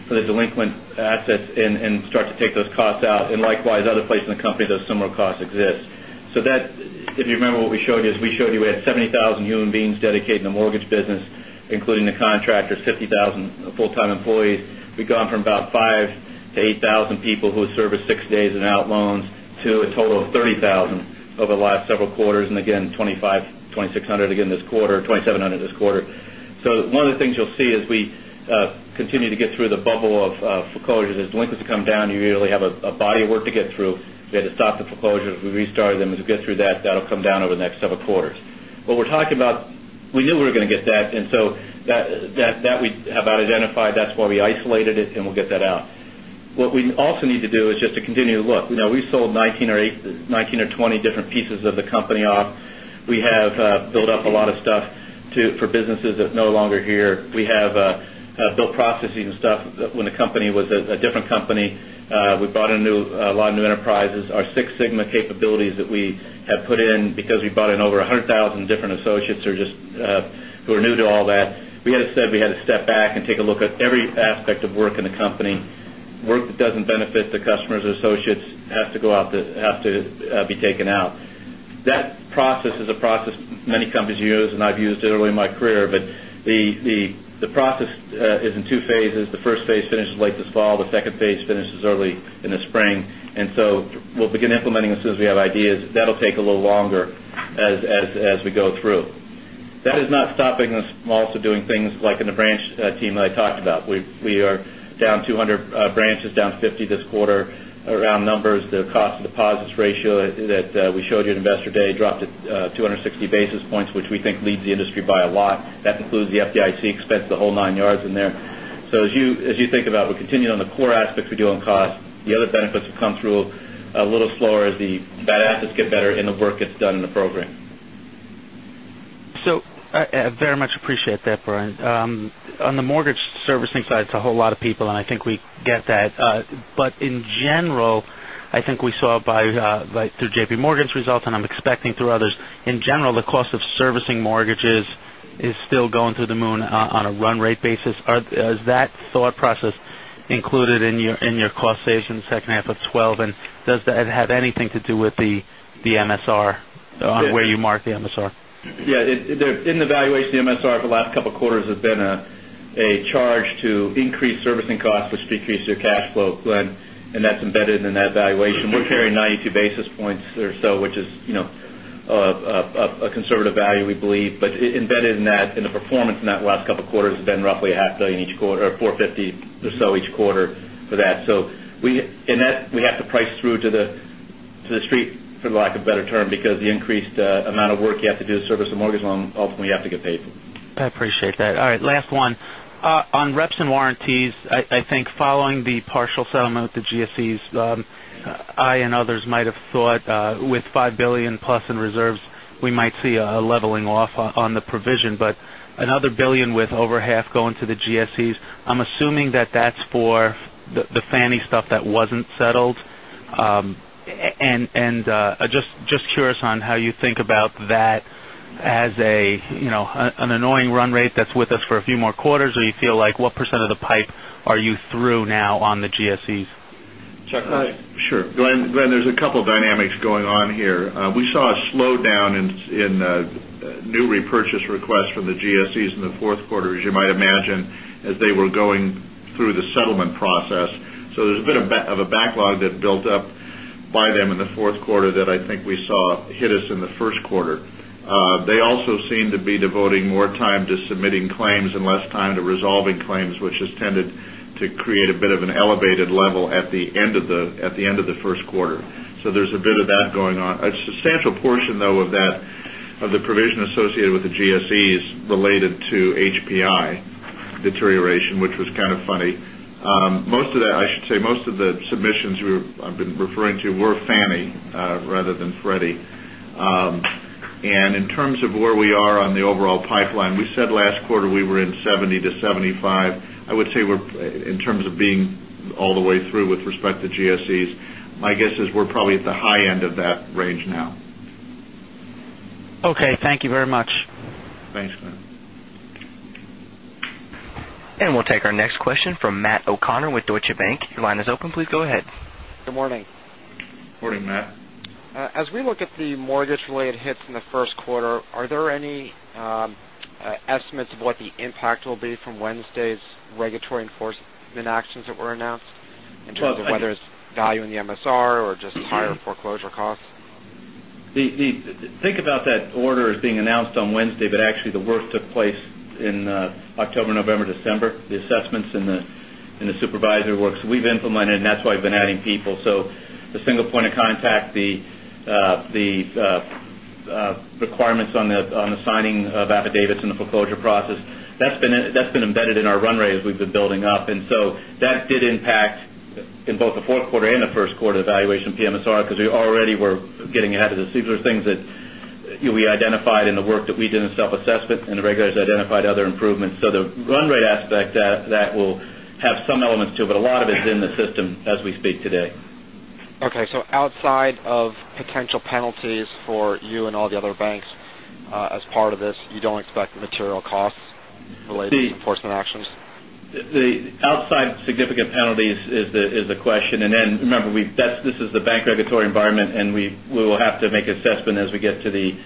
for the delinquent assets and start to take those costs out. And likewise, other places in the company, those similar costs exist. So that if you remember what we showed you is we showed you we had 70,000 human beings dedicated in the mortgage business, including the contractors, 50,000 full time employees. We've gone from about 5000 to 8000 people who have serviced 6 days and out loans to a total of 30,000 over the last several quarters. And again, 2,500, 2,600 again this quarter, 2,700 this quarter. So, one of the things you'll see as we continue to get through the bubble of foreclosures as delinquencies come down, you really have a body of work to get through. We had to stop the foreclosure. We restarted them. As we get through that, that will come down over the next several quarters. But we're talking about we knew we were going to get that. And so that we have identified. That's why we isolated it and get that out. What we also need to do is just to continue to look, we sold 19 or 20 different pieces of the company off. We have built up a lot of stuff for businesses that are no longer here. We have built processes and stuff when the company was a different company. We brought a lot of new enterprises. Our 6 Sigma capabilities that we have put in because we brought in over 100,000 different associates who are new to all that. We had said we had to step back and take a look at every aspect of work in the company. Work that doesn't benefit the customers or associates has to go out to have to be taken out. That process is a process many companies use and I've used it early in my career, but the process is in 2 phases. The phase finishes late this fall. The second phase finishes early in the spring. And so we'll begin implementing this as we have ideas. That'll take a little longer as we go through. That is not stopping us from also doing things like in the branch team that I talked about. We are down 200 branches, down 50 this quarter, around numbers. The cost of deposits ratio that we showed you at Investor Day dropped to 260 basis points, which we think leads industry by a lot. That includes the FDIC expense, the whole 9 yards in there. So as you think about, we're continuing on the core aspects we do on cost. The other benefits will come through a little slower as the bad assets get better and the work gets done in the program. So I very much appreciate that, Brian. On the mortgage servicing side, it's a whole lot of people and I think we get that. But in general, I think we saw by through JPMorgan's results and I'm expecting through others, in general, the cost of servicing mortgages is still going to the moon on a run rate basis. Is that thought process included in your cost saves in the second half of twenty twelve? And does that have anything to do with the MSR on where you mark the MSR? Yes. In the valuation of the MSR for the last couple of quarters has been a charge to increase servicing costs, which decrease your cash flow, and that's embedded in that valuation. We're carrying 92 basis points or so, which is a conservative value we believe. But embedded in that, in the performance in that last couple of quarters has been roughly $500,000,000 each quarter or $450,000,000 or so each quarter for that. So, in that, we have to price through to the street for lack of better term because the increased amount of work you have to do to service the mortgage loan ultimately you have to get paid. Last one. On reps and warranties, I think following the partial settlement with the GSEs, I and others might have thought with $5,000,000,000 plus in reserves, we might see a leveling off on the provision, but another $1,000,000,000 with over half going to the GSEs. I'm assuming that that's for the Fannie stuff that wasn't settled. And just curious on how you think about that as an annoying run rate that's with us for a few more quarters or you feel like what percent of the pipe are you through now on the GSEs? Chuck? Sure. Glenn, there's a couple of dynamics going on here. We saw a slowdown in new repurchase request from the GSEs in the Q4, as you might imagine, as they were going through the settlement process. So there's a bit of a backlog that built up by them in the Q4 that I think we saw hit us in the Q1. They also seem to be devoting more time to submitting claims and less time to resolving claims, which has tended to create a bit of an elevated level at the end of the Q1. So there's a bit of that going on. A substantial portion though of that of the provision associated with the GSEs related to HPI deterioration, which was kind of funny. Most of that I should say, most of the submissions I've been referring to were Fannie rather than Freddie. And in terms of where we are on the overall pipeline, we said last quarter we were in 70% to 75%. I would say in terms of being all the way through with respect to GSEs, my guess is we're probably at the high end of that range now. Okay. Thank you very much. Thanks, Glenn. And we'll take our next question from Matt O'Connor with Deutsche Bank. Your line is open. Please go ahead. Good morning. Good morning, Matt. As we look at the mortgage hits in the Q1, are there any estimates of what the impact will be from Wednesday's regulatory enforcement actions that were announced in terms of whether it's value in the MSR or just higher foreclosure costs? Think about that order being announced on Wednesday, but actually the work took place in October, November, December, the assessments and the supervisory work. So we've implemented and that's why we've been adding people. So the single point of contact, the requirements on the signing of affidavits and the foreclosure process, That's been embedded in our run rate as we've been building up. And so that did impact in both the Q4 and the Q1 evaluation of PMSR because we already were getting ahead of the things that we identified in the work that we did in self assessment and the regulators identified other improvements. So the run rate aspect that will have some elements to it, but a lot of it is in the system as we speak today. Okay. So outside of potential penalties for you and all the other bank regulatory penalties is the question. And then remember, this is the bank regulatory environment and we will have to make assessment as we get to the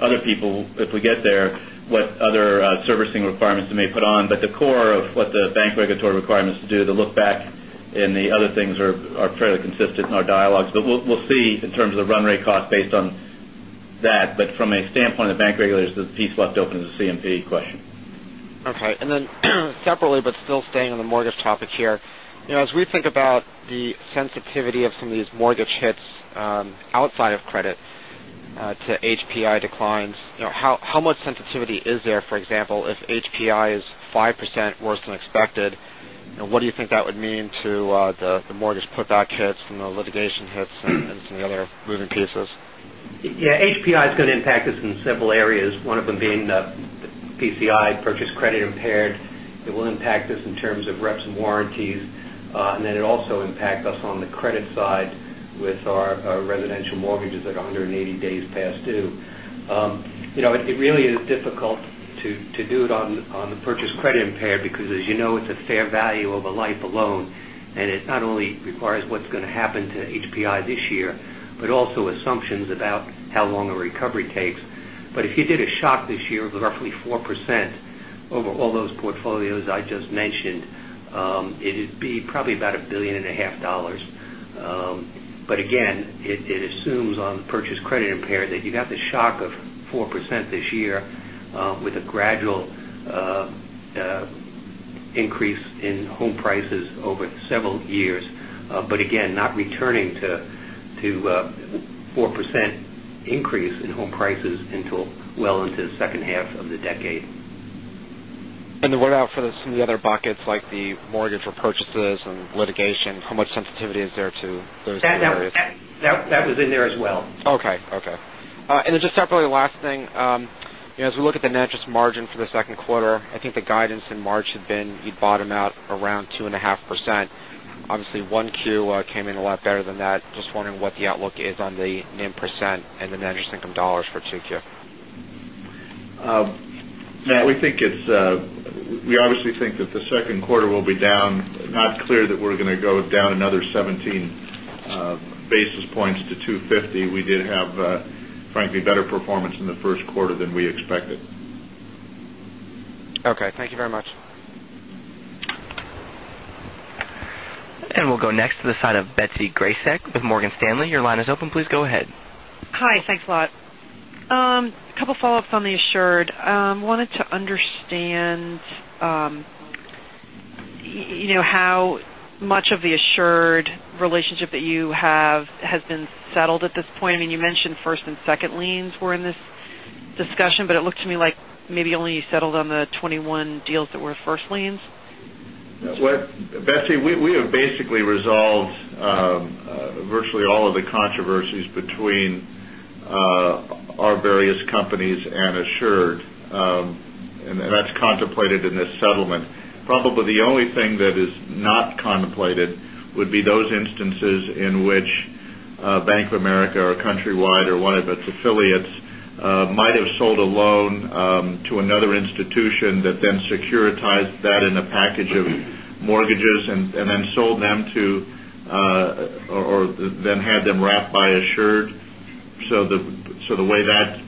other people if we get there what other servicing requirements they may put on. But the core of what the bank regulatory requirements do, the look back and the other things are fairly consistent in our dialogues. But we'll see in terms of run rate cost based on that. But from a standpoint of bank regulators, the piece left open is the C and P question. Okay. And then separately, but still staying on the mortgage topic here, as we think about the sensitivity some of these mortgage hits outside of credit to HPI declines, how much sensitivity is there, for example, if HPI is 5% worse than expected? What do you think that would mean to the mortgage putback hits and the litigation hits and some other moving pieces? Yes. HPI is going to impact us in several areas. One of them being PCI, purchase credit impaired. It will impact us in terms of reps and warranties. And then, it also impacts us on the credit side with a loan. And it not only requires what's going to happen to HPI this year, but also assumptions about how long a recovery takes. But if you did a shock this year of roughly 4% over all those portfolios I just mentioned, it would be probably about $1,500,000,000 But again, it assumes on purchase credit impaired that you've got the shock of 4% this year with a gradual increase in home prices over several years, but again, not returning to 4% increase in home prices until well into the second half of the decade. And then what else for the other buckets like the mortgage and litigation, how much sensitivity is there to those areas? That was in there as well. Okay. And then just separately last thing, as we look at the net interest margin for the Q2, I think the guidance in March had been you bottomed out around 2.5%. Obviously, 1Q came in a lot better than that. Just wondering what the outlook is on the NIM percent and the net interest income dollars for 2Q? Yes. We think it's we we obviously think that the Q2 will be down. Not clear that we're going to go down another 17 basis points to 2.50. We did have frankly better performance in the Q1 than we expected. Okay. Thank you very much. And we'll go next to the side of Betsy Graseck with Morgan Stanley. Your line is open. Please go ahead. Hi, thanks a lot. A couple of follow ups on the Assured. Wanted to understand how much of the Assured relationship that you have has been settled at this point? I mean, you mentioned 1st and second liens were in this discussion, but it looked to me like maybe only virtually all of the controversies between virtually all of the controversies between our various companies and Assured, and that's contemplated in this settlement. Probably the only thing that is not contemplated would be those instances in which Bank of America or Countrywide or one of its affiliates might have sold a loan to another institution that then securitized that in a package of mortgages and then sold them to or then had them wrapped by Assured. So the way that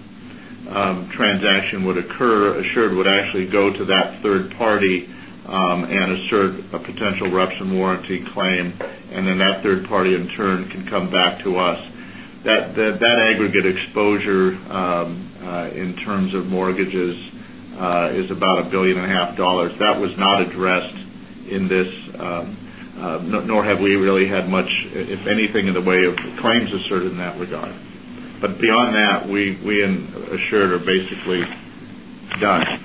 transaction would occur, Assured would actually go to that 3rd party and assert a potential reps in warranty claim and then that third party in turn can come back to us. That aggregate exposure in terms of mortgages is about $1,500,000,000 That was not addressed in this nor have we really had much, if anything, in the way of claims asserted in that regard. But beyond that, we assured are basically done.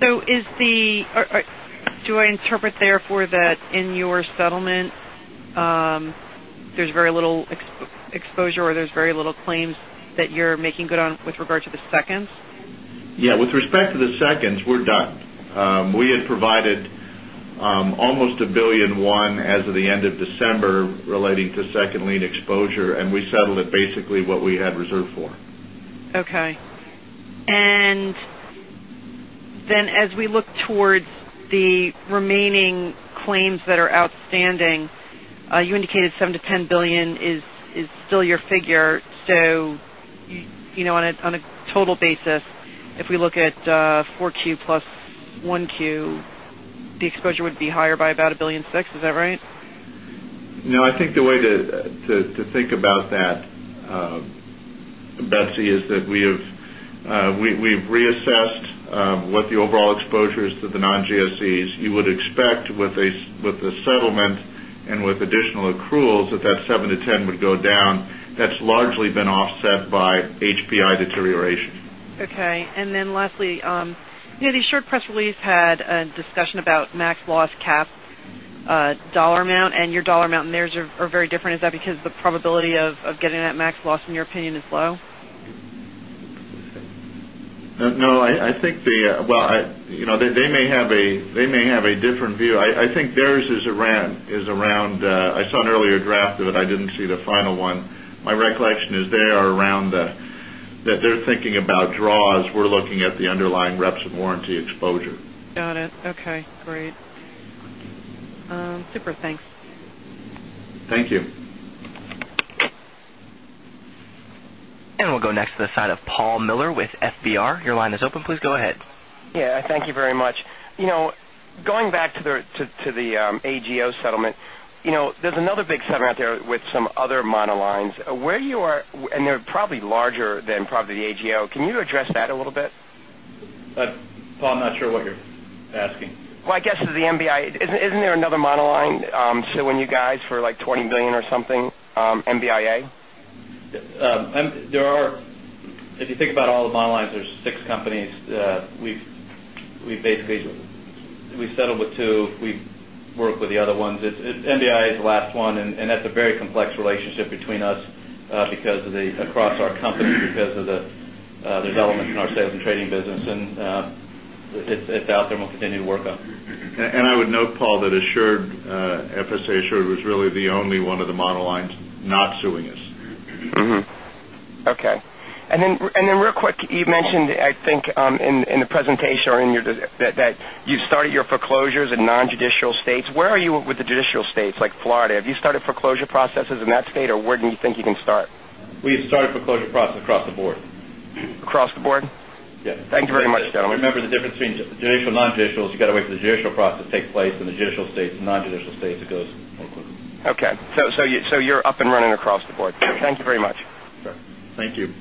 So is the do I interpret therefore that in your settlement, there's very little exposure or there's very little claims that you're making good on with regard to the seconds? Yes. With respect to the seconds, we're done. We had provided almost $1,100,000,000 as of the end of December relating to 2nd lien exposure and we settled it basically what we had reserved for. Okay. And then as we look towards the remaining claims that are outstanding, you indicated $7,000,000,000 to $10,000,000,000 is still your figure. So on a total basis, if we look at 4Q plus 1Q, the exposure would be higher by about $1,600,000,000 is that right? No. I think the way to think about that Betsy is that we have reassessed what the overall exposure is to the non GSEs. You would expect with the settlement and with additional accruals that that 7% to 10% would go down. That's largely been offset by HPI deterioration. Okay. And then lastly, the short press release had a discussion about max loss cap dollar amount and your dollar amount and theirs are very different. Is that because the probability of getting that max loss in your opinion is low? No. I think the well, they may have a different view. I think theirs is around I saw an earlier draft of it. I didn't see the final one. My recollection is they are around that they're thinking about draws. We're looking at the underlying reps of warranty exposure. Got it. Okay, great. Super, thanks. Thank you. And we'll go next to the side of Paul Miller with FBR. Your line is open. Please go ahead. Yes. Thank you very much. Going back to the AGO settlement, there's another big settlement there with some other monoline. Where you are and they're probably larger than probably the AGO. Can you address that a little bit? Paul, I'm not sure what you're asking. Well, I guess is the MBI. Isn't there another monoline, so when you guys for like $20,000,000,000 or something MBIA? There are if you think about all the bottom lines, there's 6 companies. We've basically we settled with 2. We work with the other ones. It's NBI is the last one and that's a very complex relationship between us because of the across our company because of the development in our sales and trading business and it's out there we'll continue to work on. And I would note Paul that Assured FSA Assured was really the only one of the monoline not suing us. Okay. And then real quick, you mentioned I think in the presentation or in your that you started your foreclosures in non judicial states. Where are you with the judicial states like Florida? Have you started foreclosure processes in that state? Or where do you think can start? We have started foreclosure process across the board. Across the board? Yes. Thank you very much gentlemen. Remember the difference between judicial and non judicial is you got to wait for the judicial process takes place and the judicial states and non judicial states it goes. Okay. So you're up and running across the board. Thank you very much. Thank you.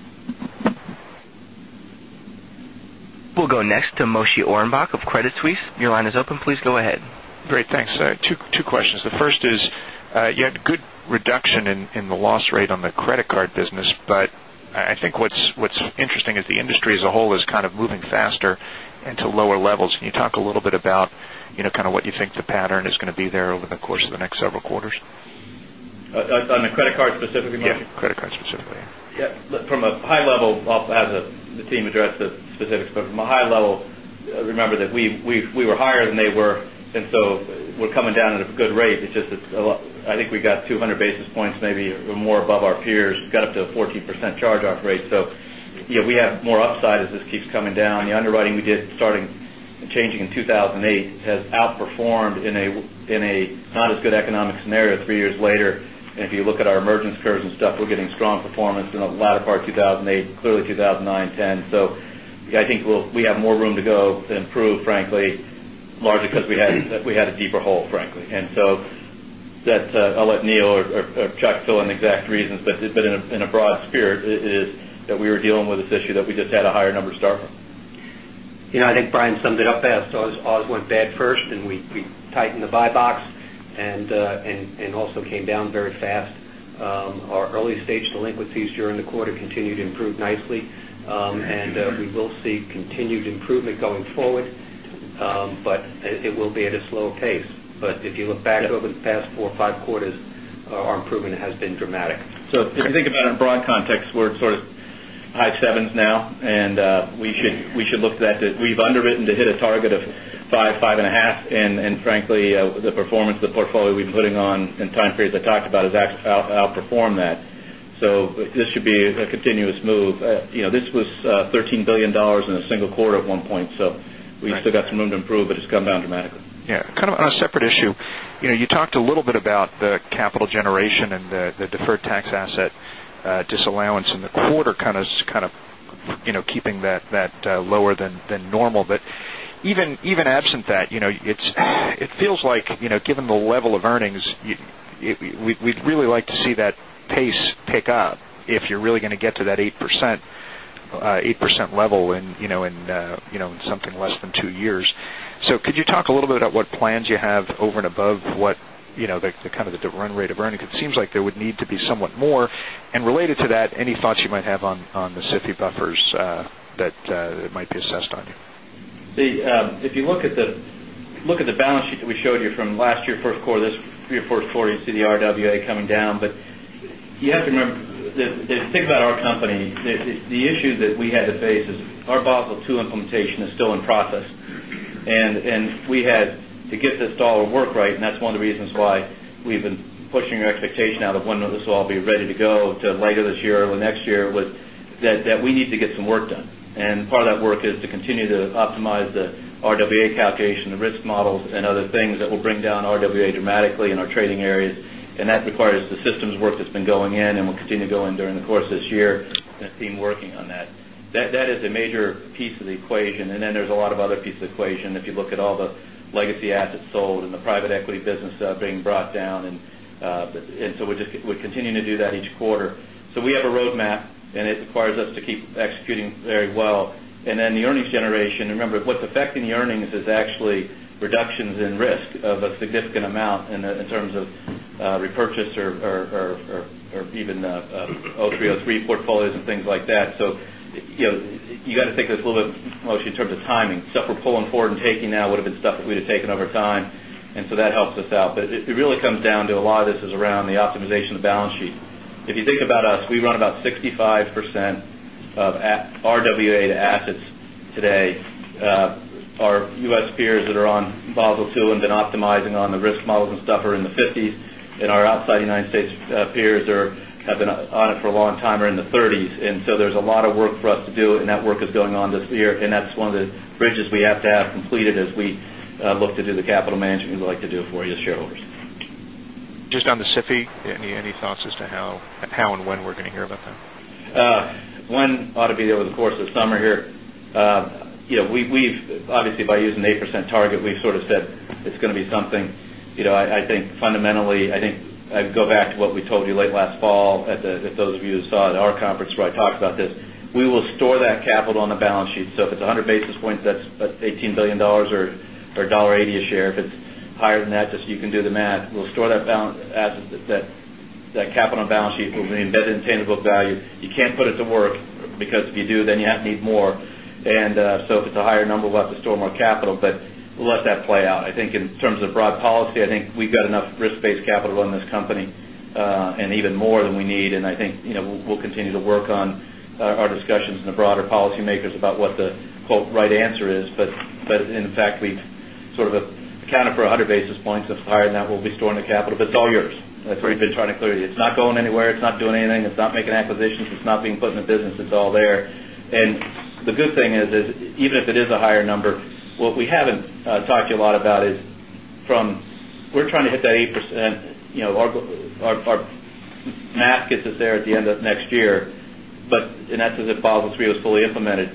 We'll go next to Moshe Orenbuch of Credit Suisse. Your line is open. Please go ahead. Great, thanks. Two questions. The first is, you had good reduction in the loss rate on the credit card business, but I think what's interesting is the industry as a whole is kind of moving faster into lower levels. Can you talk a little bit about kind of what you think the pattern is going be there over the course of the next several quarters? On the credit card specifically, Mike? Yes. Credit card specifically. Yes. From a high level, I'll have the team address the specifics, but from a high level, remember that we were higher than they were. And so, we're coming down at a good rate. It's just I think we got 200 basis points maybe or more above our peers. We got up to 14% charge off rate. So, we have more upside as this keeps coming down. The underwriting we did starting changing in 2,008 has outperformed in a not as good economic scenario 3 years later. And if you look at our emergence curves and stuff, we're getting strong performance in the latter part of 2008, clearly 2,009, 2010. So I think we have more room to go to improve frankly, largely because we had a deeper hole frankly. And so that's I'll let Neil or Chuck fill in exact reasons, but in a broad spirit is that we were dealing this issue that we just had a higher number start. I think Brian summed it up as ours went bad first and we tightened the buy box and also came down very fast. Our early stage delinquencies during the quarter continue to improve nicely and we will see continued improvement going forward, but it will be at a slower pace. But if you look back over the past 4 or 5 quarters, our improvement has been dramatic. So, if you think about it in broad context, we're sort of high 7s now and we should look to that. We've underwritten to hit a target of 5, 5.5 and frankly the performance of the portfolio we've been putting on in time periods I talked about has actually outperformed that. So this should be a continuous move. This was $13,000,000,000 in a single quarter at one point. So we still got some room to improve, but it's come down dramatically. On a separate issue, you talked a little bit about the capital generation and the deferred tax asset disallowance in the quarter is kind of keeping that lower than normal. But even absent that, it feels like given the level of earnings, we'd really like to see that pace pick up if you're really going to get to that 8% level in something less than 2 years. So could you talk a little bit about what plans you have over and above what the kind of the run rate of earnings? It seems like there would need to be somewhat more. And related to that, any thoughts you might have on the SIFI buffers that might be assessed on you? If you look at the balance sheet that we showed you from last year Q1, this year Q1, you see the RWA coming down. But you have to remember, the thing about our company, the issue that we had to face is our Basel II implementation is still in process. And we had to get this dollar work right and that's one of the reasons why we've been pushing our expectation out of when this will all be ready to go to later this year, early next year, was that we need to get some work done. And part of that work is to continue to optimize the RWA calculation, the risk models and other things that will bring down RWA dramatically in our trading areas. And that requires the systems work that's been going in and will continue to go in during the course of this year and the team working on that. That is a major piece of the equation. And then there's a lot of other pieces of equation. If you look at all the legacy assets sold and the private equity business being brought down. And so we're continuing to do that each quarter. So we have a roadmap and it requires us to keep executing very well. And then the earnings generation, remember what's affecting the earnings is actually reductions in risk of a significant amount in terms of repurchase or even 303 portfolios and things like that. So you got to think of this a little bit mostly in terms of timing. Stuff we're pulling forward and taking now would have been stuff that we'd have taken over time. And so that helps us out. But it really comes down to a lot of this is around the optimization of the balance sheet. If you think about us, we run about 65% of RWA to assets today. Our U. S. Peers that are on Basel II and then optimizing on the risk models and stuff are in the 50s and our outside United States peers are have been on it for a long time are in the 30s. And so, there's a lot of work for us to do and that work is going on this year. And that's one of the bridges we have to have completed as we look to do the capital management we'd like to do for you as shareholders. Just on the SIFI, any thoughts as to how and when we're going to hear about that? 1 ought to be over the course of summer here. We've obviously, by using the 8% target, we've sort of said it's going to be something. I think fundamentally, I think I'd go back to what we told you late last fall, those of you who saw at our conference where I talked about this. We will store that 100 basis points, that's $18,000,000,000 or $1.80 a share. If it's higher than that, just you can do the math. We'll store that balance that capital on balance sheet. We'll be embedded in tangible value. You can't put it to work because if you do, then you have to need more. And so, if it's a higher number, we'll have to store more capital. But we'll let that play out. I think in terms of broad policy, I think we've got enough risk based capital in this company and even more than we need. And I think we'll continue to work on our discussions in the broader policymakers about what the right answer is. But in fact, we've sort of accounted for 100 basis points that's higher than that we'll be storing the capital. But it's all yours. That's what we've been trying to clear. It's not going anywhere. It's not doing anything. It's not making acquisitions. It's not being put in the business. It's all there. And the good thing is even if it is a higher number, what we haven't talked to you a lot about is from we're trying to hit that 8%. Our math gets us there at the end of next year. But and that's as if Model 3 was fully implemented.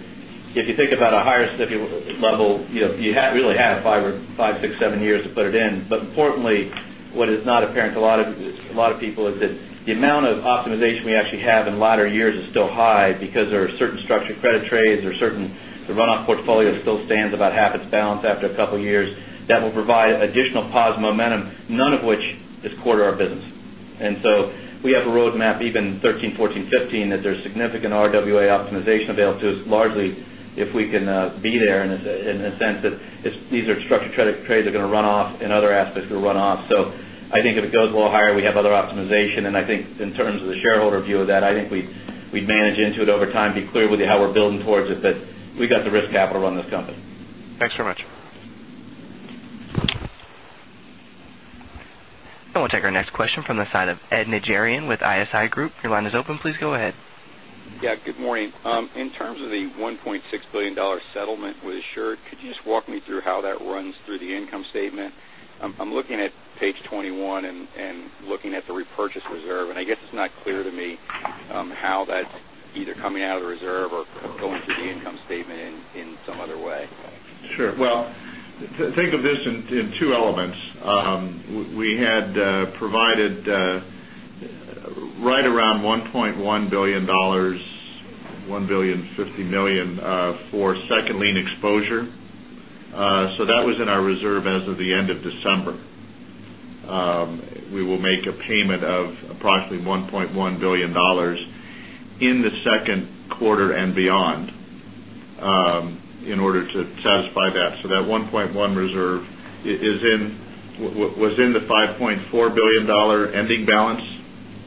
If you think about a higher SIFI level, you really have 5, 6, 7 years to put it in. But importantly, what is not apparent to a lot of people is that the amount of optimization we actually have in latter years is still high because there are certain structured credit trades or certain runoff portfolio still stands about half its balance after a couple of years. That will provide additional positive momentum, none of which is core to our business. And so, we have a roadmap even 2013, 2014, 2015 that there's significant RWA optimization available to us largely if we can be there in a sense that these are structured trades are going to run off and other aspects are run off. So, I think if it goes a little higher, we have other optimization. And I think in terms of the shareholder view of that, I think we'd manage into it over time to be clear with you how we're building towards it that we got the risk capital on this company. Thanks very much. And we'll take our next question from the side of Ed Najarian with ISI Group. Your line is open. Please go ahead. Yes, good morning. In terms of the $1,600,000,000 settlement with Assured, could you just walk me through how that runs through the income statement? I'm looking at Page 21 and looking at the repurchase reserve. And I guess it's not clear to me how that's either coming out of the reserve or going to the income statement in some other way. Sure. Well, think of this in 2 elements. We had provided $1,150,000,000 for 2nd lien exposure. So that was in our reserve as of the end of December. We will make a payment of approximately $1,100,000,000 in the Q2 and beyond in order to satisfy that. So that $1,100,000,000 reserve is in was in the $5,400,000,000 ending balance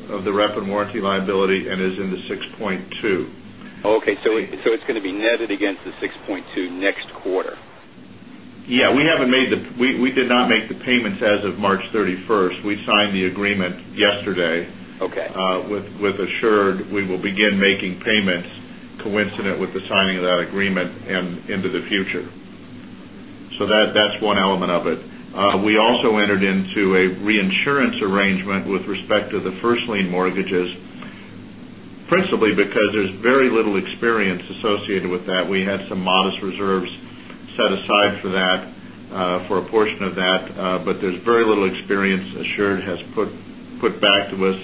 of the rapid warranty liability and is in the $6,200,000,000 Okay. So it's going to be netted against the 6.2 next quarter? Yes. We haven't made the we did not make the payments as of March 31. We signed the agreement yesterday with Assured. We will begin making payments coincident with the signing of that agreement and into the future. So that's one element of it. We also entered into a reinsurance arrangement with respect to the 1st lien mortgages principally because there's very little experience associated with that. We had some modest reserves set aside for that, for a portion of that, but there's very little experience Assured has put back to us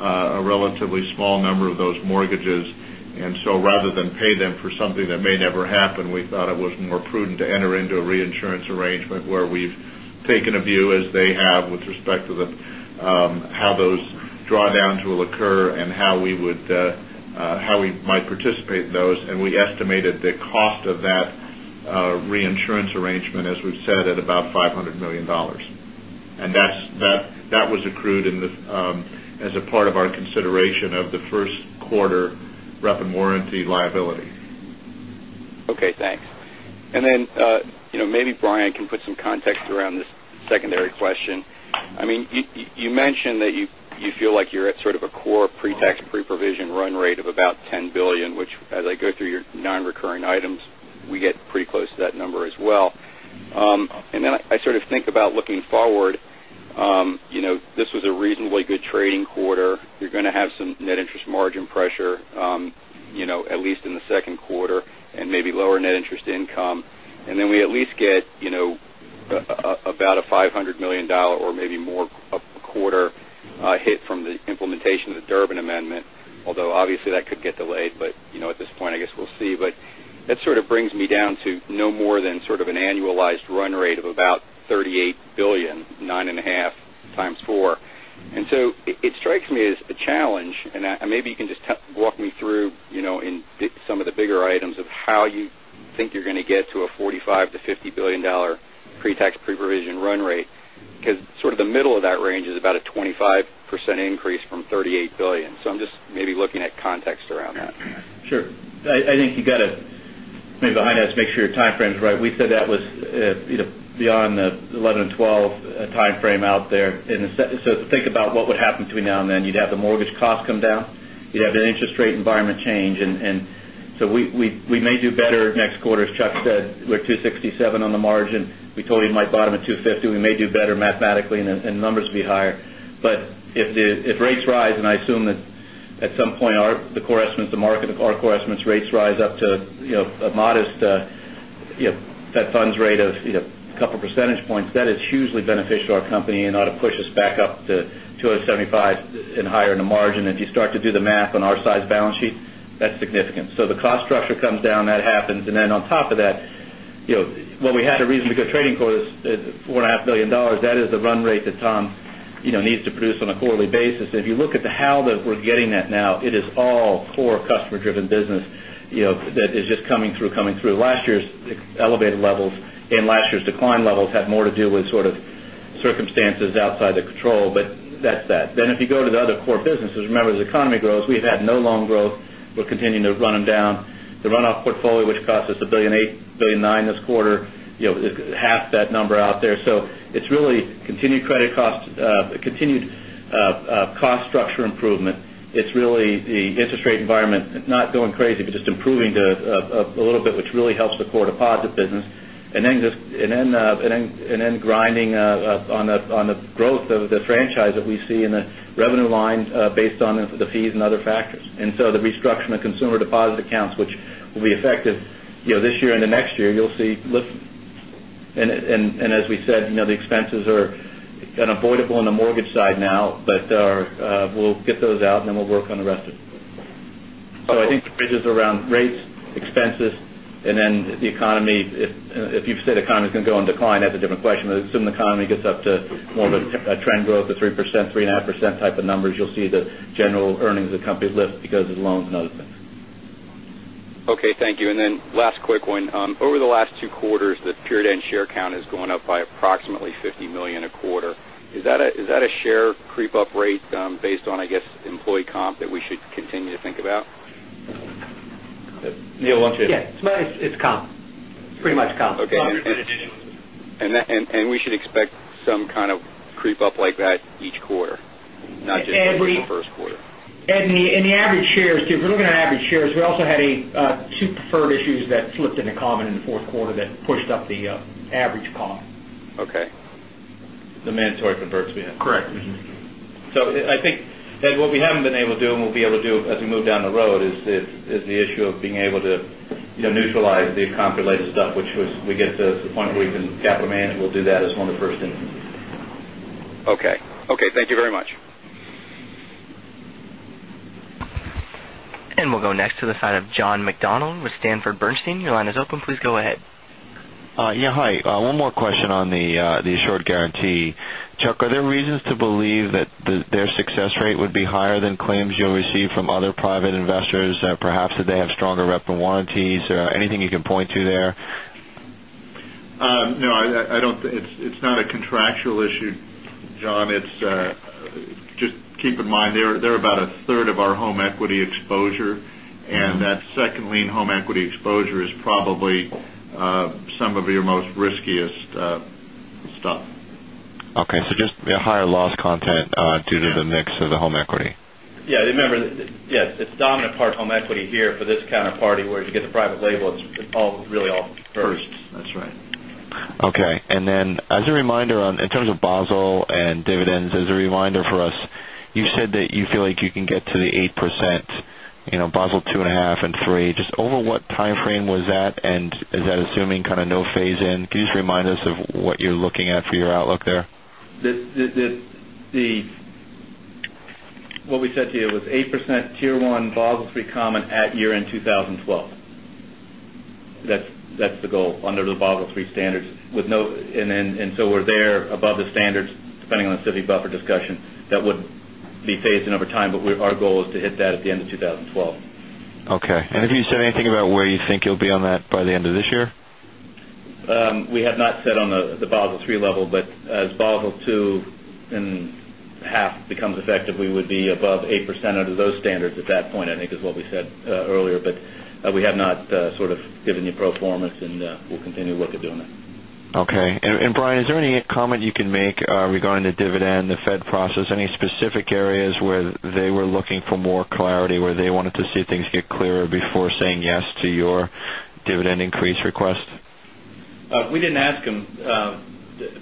a relatively small number of those mortgages. And so rather than pay them for something that may never happen, we thought it was more prudent to enter into a reinsurance arrangement where we've taken a view as they have with respect to the how those drawdowns will occur and how we would how we might participate in those. And we estimated the cost of that reinsurance arrangement as we've said at about 500,000,000 dollars And that was accrued in the as a part of our consideration of the 1st quarter rep and warranty liability. Okay. Thanks. And then maybe Brian can put some context around this secondary question. I mean, you mentioned that you feel like you're at sort of a core pre tax pre provision run rate of about $10,000,000,000 which as I go through your non recurring items, we get pretty close to that number as well. And then I sort of think about looking forward, this was a reasonably good trading quarter, you're going to have some net interest margin pressure at least in the second quarter and maybe lower net interest income. And then we at least get about a $500,000,000 or maybe more a quarter hit from the implementation of the Durbin Amendment, although obviously that could get delayed, but at this point I guess we'll see. But that sort of brings me down to no more than an annualized run rate of about $38,000,000,000 $9,500,000,000 times 4. And so it strikes me as a challenge and maybe you can just walk me through some of the bigger items of how you think you're going to get to a $5,000,000,000 to $50,000,000,000 pre tax pre provision run rate because sort of the middle of that range is about a 25% increase from 38 $1,000,000,000 So I'm just maybe looking at context around that. Sure. I think you got to maybe behind us, make sure your timeframe is right. We said that was beyond the 11 and 12 timeframe out there. So think about what would happen between now and then. You'd have the mortgage costs come down. You'd have an interest rate environment change. And so we may do better next quarter. As Chuck said, we're 2.67 on the margin. We told you 250. We may do better mathematically and numbers will be higher. But if rates rise and I assume that at some point the core estimates of market, our core estimates rates rise up to a modest fed funds rate of a couple of percentage points, that is hugely beneficial to our company and ought to push us back up to 2 $75,000,000 and higher in the margin. If you start to do the math on our size balance sheet, that's significant. So the cost structure comes down, that happens. And then on top of that, what we had a reason to go trading quarters, dollars 4,500,000,000 that is the run rate that Tom needs to produce on a quarterly basis. And if you look at the how that we're getting at now, it is all core customer driven business that is just coming through, coming through last year's elevated levels and last year's decline levels had more to do with sort of circumstances outside the control, but that's that. Then if you go to the other core businesses, remember as economy grows, we've had no loan growth. We're continuing to run them down. The runoff portfolio, which cost us $1,800,000,000 $1,900,000 this quarter, half that number out there. So it's really continued credit cost, continued cost structure improvement. It's really the interest rate environment, not going crazy, but just improving a little bit, which really helps the core deposit business. And then grinding on the growth of the franchise that we see in the revenue line based on the fees and other factors. And so the restructuring of consumer deposit accounts, which will be effective this year and the next year, you'll see and as we said, the expenses are unavoidable on the mortgage side now, but we'll get those out and then we'll work on the rest of it. So I think the bridge is around rates, expenses and then the economy. If you've said economy is going to go in decline, that's a different question. I assume the economy gets up to more of a trend growth of 3%, 3 point 5% type of numbers, you'll see the general earnings of the company lift because of loans and other things. Okay. Thank you. And then last quick one. Over the last two quarters, the period end share count has gone up by approximately 50,000,000 a quarter. Is that a share creep up rate based on, I guess, employee comp that we should continue to think about? Neil, why don't you Yes. It's comp. It's pretty much comp. Okay. And we should expect some kind of creep up like that each quarter, not just in the Q1? Ed, in the average shares, if you look at our at average shares, we also had 2 preferred issues that slipped into common in the Q4 that pushed up the average The mandatory for Burt's Bees. Correct. So I think Ed, what we haven't been able to do and we'll be able to do as we move down the road is the issue of being able to neutralize the comp related stuff, which was we get to the point where we can capital manage. We'll do that as one of the first things. Okay. Okay. Thank you very much. And we'll go next to the side of John McDonald with Stanford Bernstein. Your line is open. Please go ahead. Yes. Hi. One more question on the Assured Guaranty. Chuck, are there reasons to believe that their success rate would be higher than claims you'll receive from other private investors perhaps that they have stronger rep and warranties or anything you can point to there? No, I don't it's not a contractual issue, John. It's just keep in mind they're about a third of our home equity exposure and that second lien home equity exposure is probably some of your most riskiest stuff. Okay. So just higher loss content due to the mix of the home equity? Yes. Remember, yes, it's dominant part home equity here for this counterparty, whereas you get the private label, it's all really all first. That's right. Okay. And then as a reminder on in terms of Basel and dividends as a reminder for us, you said that you feel like you can get to the 8%, Basel 2.5% and 3%. Just over what timeframe was that? And is that assuming no phase in? Can you just remind us of what you're looking at for your outlook there? What we said to you, it was 8% Tier 1 Basel III common at year end 2012. That's the goal Model 3 standards with no and so we're there above the standards depending on the city buffer discussion that would be phased in over time. But our goal is to hit that at the end of 2012. Okay. And have you said anything about where you think you'll be on that by the end of this year? We have not said on the Basel III level, but as Basel II and half becomes effective, we would be above 8% under those standards at that point, I think is what we said earlier. But we have not sort of given you pro form a and we'll continue to look at doing it. Okay. And Brian is there any comment you can make regarding the dividend, the Fed process? Any specific areas where they were looking for more clarity where they wanted to see things get clearer before saying yes to your dividend increase request? We didn't ask them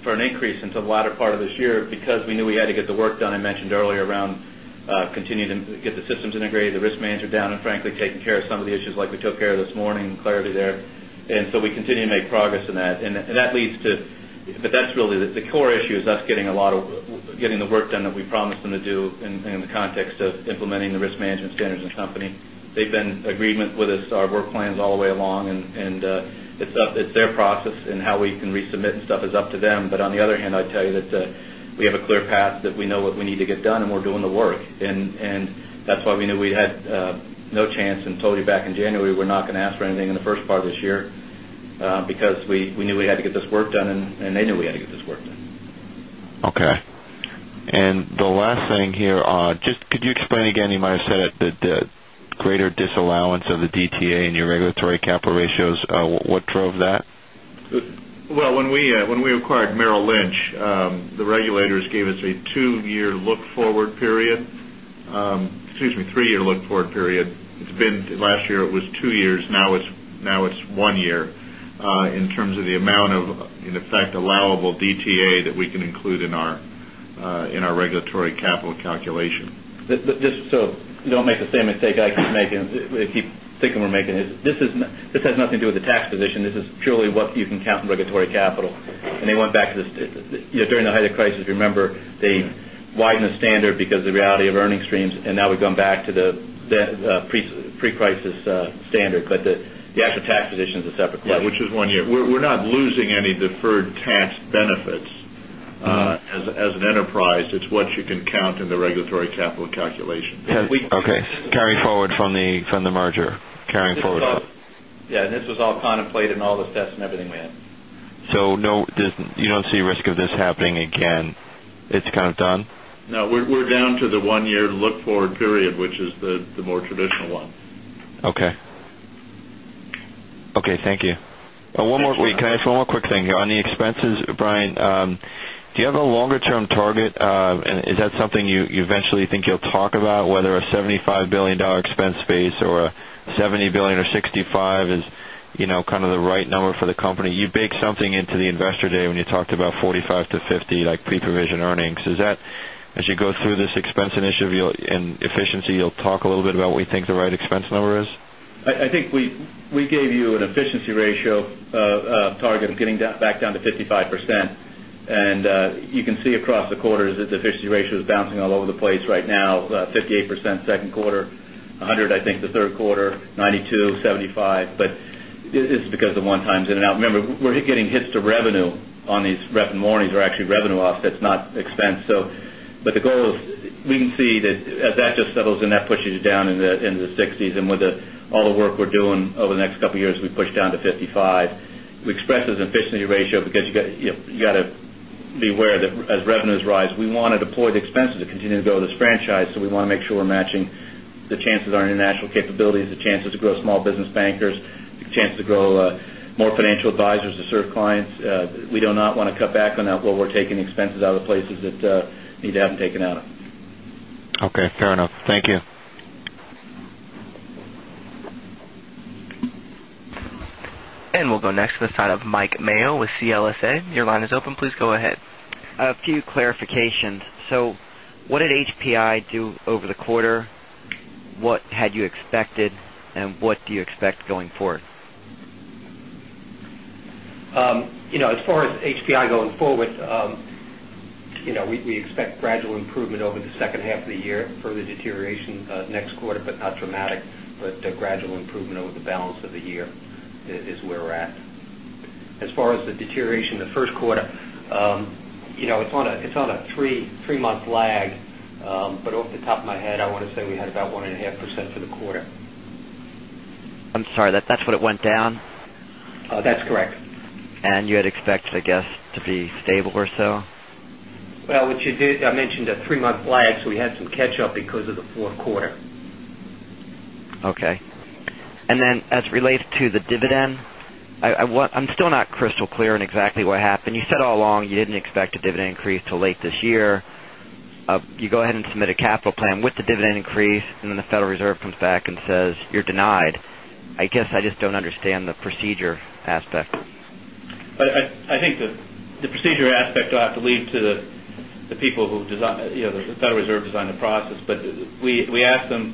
for an increase until the latter part of this year because we knew we had to get the work done. I mentioned earlier around continue to get the systems integrated, the risk manager down and frankly taking care of some of the issues like we took care of this morning, clarity there. And so we continue to make progress in that. And that leads to but that's really the core issue is us getting a lot of getting the work done that we promised them to do in the context of implementing the risk management standards in the company. They've been in agreement with us, our work plans all the way along. And it's their process and how we can resubmit and stuff is up to them. But on the other hand, I'd tell you that we have a clear path that we know what we need to get done and we're doing the work. And that's why we knew we had no chance and told you back in January we're not 1st part of this year because we knew we had to get this work done and they knew we had to get this work done. Okay. And the last thing here, just could you explain again, you might have said that the greater disallowance of DTA in your regulatory capital ratios, what drove that? Well, when we acquired Merrill Lynch, now it's 1 year in terms of the amount of in effect allowable DTA that we can include in our regulatory capital calculation. Just so don't make the same mistake I keep making. I keep thinking we're making is this has nothing to do with the tax position. This is purely what you count in regulatory capital. And they went back to this during the height of crisis, remember, they widened the standard because of the reality of earnings streams. And now we've gone to the pre crisis standard, but the actual tax position is a separate question. Yes, which is 1 year. We're not losing any deferred tax benefits as an enterprise. It's what you can count in the regulatory capital calculation. Okay. Carry forward from the merger, carrying forward. Yes. And this was all contemplated in all the steps and everything we had. So no you don't see risk of this happening again? It's kind of done? No. We're down to the 1 year look forward period, which is the more traditional one. Okay. Okay. Thank you. And one more quick thing on the expenses, Brian, do you have a longer term target? And is that something you eventually think you'll talk about whether a $75,000,000,000 expense space or $70,000,000,000 or $65,000,000,000 is kind of the right number for the company? You bake something into the Investor Day when you talked about $45,000,000 to $50,000,000 like pre provision earnings. Is that I think we gave you an efficiency ratio target of getting back down to 55%. And you can see across the quarters that the efficiency ratio is bouncing all over the place right now, 58% second quarter, 100% I think the 3rd quarter, 92%, 75%, but it's because the one times in and out. Remember, we're getting hits to revenue on these revenue mornings. They're actually revenue offsets, not expense. So, but the goal is we can see that as that just settles and that pushes down into the 60s and with all the work we're doing over the next couple of years, we push down to 55. We express this this efficiency ratio because you got to be aware that as revenues rise, we want to deploy the expenses to continue to grow this franchise. So, we want to make sure we're matching the places that need to have them taken out of. Okay. Taking expenses out of the places that need to have them taken out of. Okay, fair enough. Thank you. And we'll go next to the side of Mike Mayo with CLSA. Your line is open. Please go ahead. A few clarifications. So what did HPI do over the quarter? What had you expected? And what do you expect going forward? As far as HPI going forward, we expect gradual improvement over the second half of the year, further deterioration deterioration next quarter, but not dramatic, but a gradual improvement over the balance of the year is where we're at. As far as the deterioration in the Q1, it's on a 3 month lag, but off the top of my head, I want to say we had about 1.5% for the quarter. I'm sorry, that's what it went down? That's correct. And you had expected the guests to be stable or so? Well, what you did, I mentioned a 3 month lag, so we had some catch up because of the Q4. Okay. And as it relates to the dividend, I'm still not crystal clear on exactly what happened. You said all along you didn't expect a dividend increase till late this year. You go ahead and submit a capital plan with the dividend increase and then the Federal Reserve comes back and says, you're denied. I guess I just don't understand the procedure aspect. I think the procedure aspect, I have to leave to the people who design the Federal Reserve design the process. But we asked them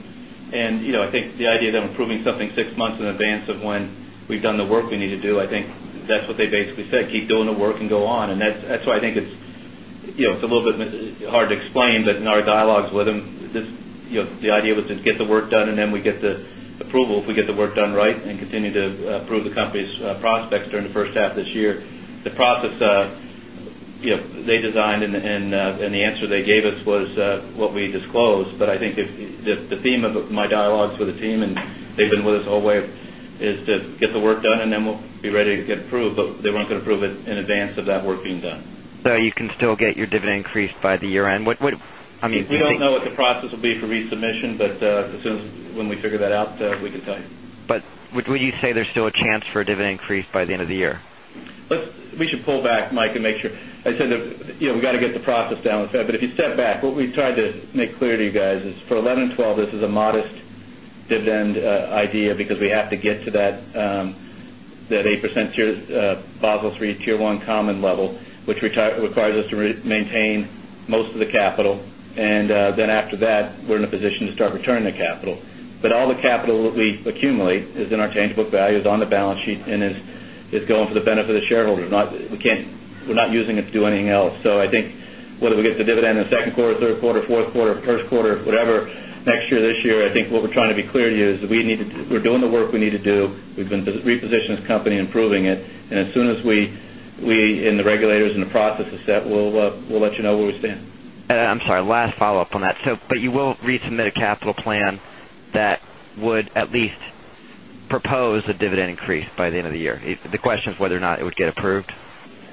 and I think the idea of improving something 6 months in advance of when we've done the work we need to do, I think that's what they basically said, keep doing the work and go on. And that's why I think it's a little bit hard to explain, but in our dialogues with them, the idea was to get the work done and then we get the approval if we get the work done right and continue to approve the company's prospects during the first half this year. The process they designed and the answer they gave us was what we disclosed. But I think the theme of my dialogues with the and they've been with us all the way is to get the work done and then we'll be ready to get approved, but they weren't going to approve it in advance of that work being done. So you can still get your dividend increase by the year end? We don't know what the process will be for resubmission, but as soon as when we figure that out, we can tell you. But would you say there's still a chance for a dividend increase? Yes. Dividend increase by the end of the year? We should pull back, Mike, and make sure. I said that we've got to get the process down. But if you step back, what we've tried to make clear to you guys is for 11% and 12% this is a modest dividend idea because we have to get to that 8% Basel III Tier 1 common level, which requires us to maintain most of the capital. And then after that, we're in a position to start returning the capital. But all the capital that we accumulate is in our change book value, is on the balance sheet and is going for the benefit of the shareholders. We can't we're not using it to do anything else. So, I think whether we get the dividend in the Q2, Q3, Q4, Q1, Q1, whatever, next year, this year, I think what we're trying to be clear to you is that we need to we're doing the work we need to do. We've been repositioning this company, improving it. And as soon as we and the regulators and the process is set, we'll let you know where we stand. I'm sorry, last follow-up on that. So, but you will resubmit a capital plan that would at least propose a dividend increase by the end of the year. The question is whether or not it would get approved?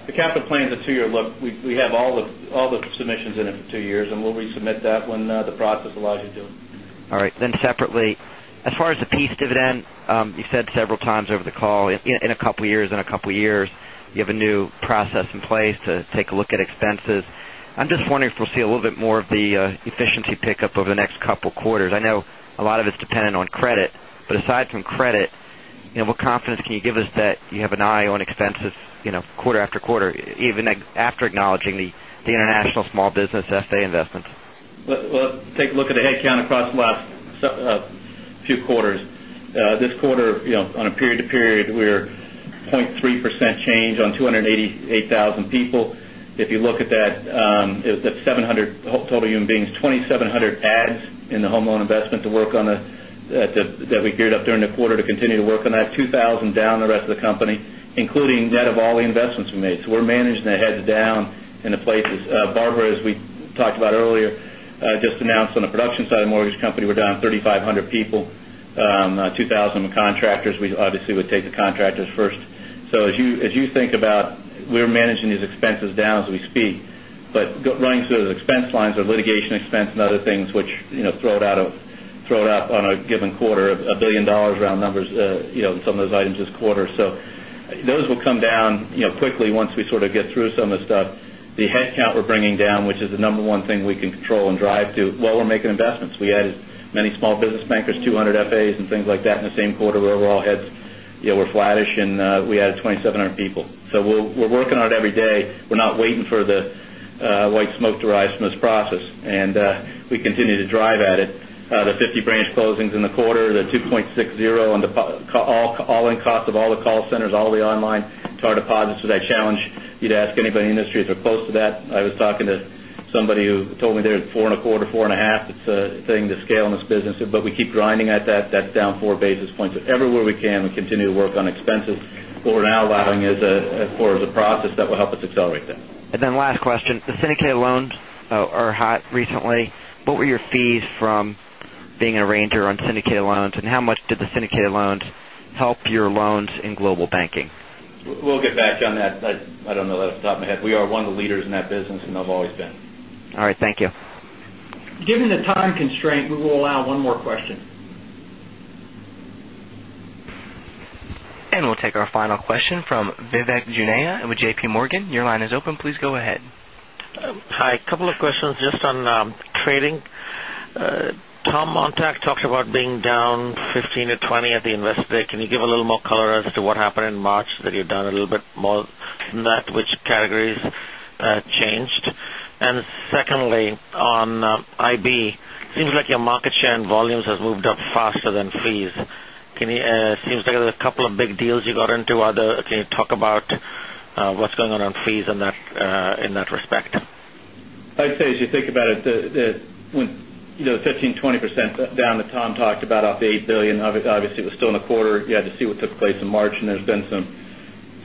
The capital plan is a 2 year look. We have all the submissions in it for 2 years and we'll resubmit that when the process allows you to. All right. Then separately, as far as the piece dividend, you said several times over the call, in a couple of years, in a couple years, you have a new process in place to take a look at expenses. I'm just wondering if we'll see a little bit more of the efficiency pickup over the next couple of quarters. I know a lot of it's dependent on credit. But aside from credit, what confidence can you give us that you have an eye on expenses quarter after quarter even after acknowledging the international small business FA investments? Well, take a look at the headcount across the last few quarters. This quarter, on a period to period, we're 0.3% change on 288,000 people. If you look at that, it was at 700 total human beings, 2,700 adds in the home loan investment to work on that we geared up during the quarter to continue to work on that, 2,000 down the rest of the company, including net of all the investments we made. So we're managing the heads down in the places. Barbara, as we talked about earlier, just announced on the production side of mortgage company, we're down 3,500 people, 2,000 contractors. We obviously would take the contractors first. So as you think about we're managing these expenses down as we speak, but running through those expense lines or litigation expense and other things which throw it out on a given quarter, count we're bringing down, which is the number one thing we can control and drive to while we're making investments. We added many small business bankers, 200 FAs and things like that in the same quarter where overall heads were flattish and we added 2,700 people. So we're working on it every day. We're not waiting for the white smoke to rise from this process, and we continue to drive at it. The 50 branch closings in the quarter, the 2.60 on the all in cost of all the call centers, all the online to our deposits. So that challenge, you'd ask anybody in the industry that are close to that. Was talking to somebody who told me they're 4.25%, 4.5%. It's a thing to scale in this business, but we keep grinding at that. That's down 4 basis points. Everywhere we can, we process that will help us accelerate that. And then last question, the syndicated loans are hot recently. What were your fees from being an arranger on syndicated loans? And how much did the syndicated loans help your loans in Global Banking? We'll get back on that. I don't know that off the top of my head. We are one of the leaders in that business and I've always been. All right. Thank you. Given the time constraint, we will allow one more question. And we'll take our final question from Vivek Juneja with JPMorgan. Your line is open. Please go ahead. Hi. Couple of questions just on trading. Tom Montag talked about being down 15 to 20 at the Investor Day. Can you give a little more color as to what happened in March that you've done a little bit more than that, which categories changed? Secondly, on IB, it seems like your market share and volumes has moved up faster than freeze. Can you seems like there's a couple of big deals you got into. Can you talk about what's going on on fees in that respect? I'd say as you think about it, 15%, 20% down that Tom talked about up to $8,000,000,000 Obviously, it was still in the quarter. You had to see what took place in March and there's been some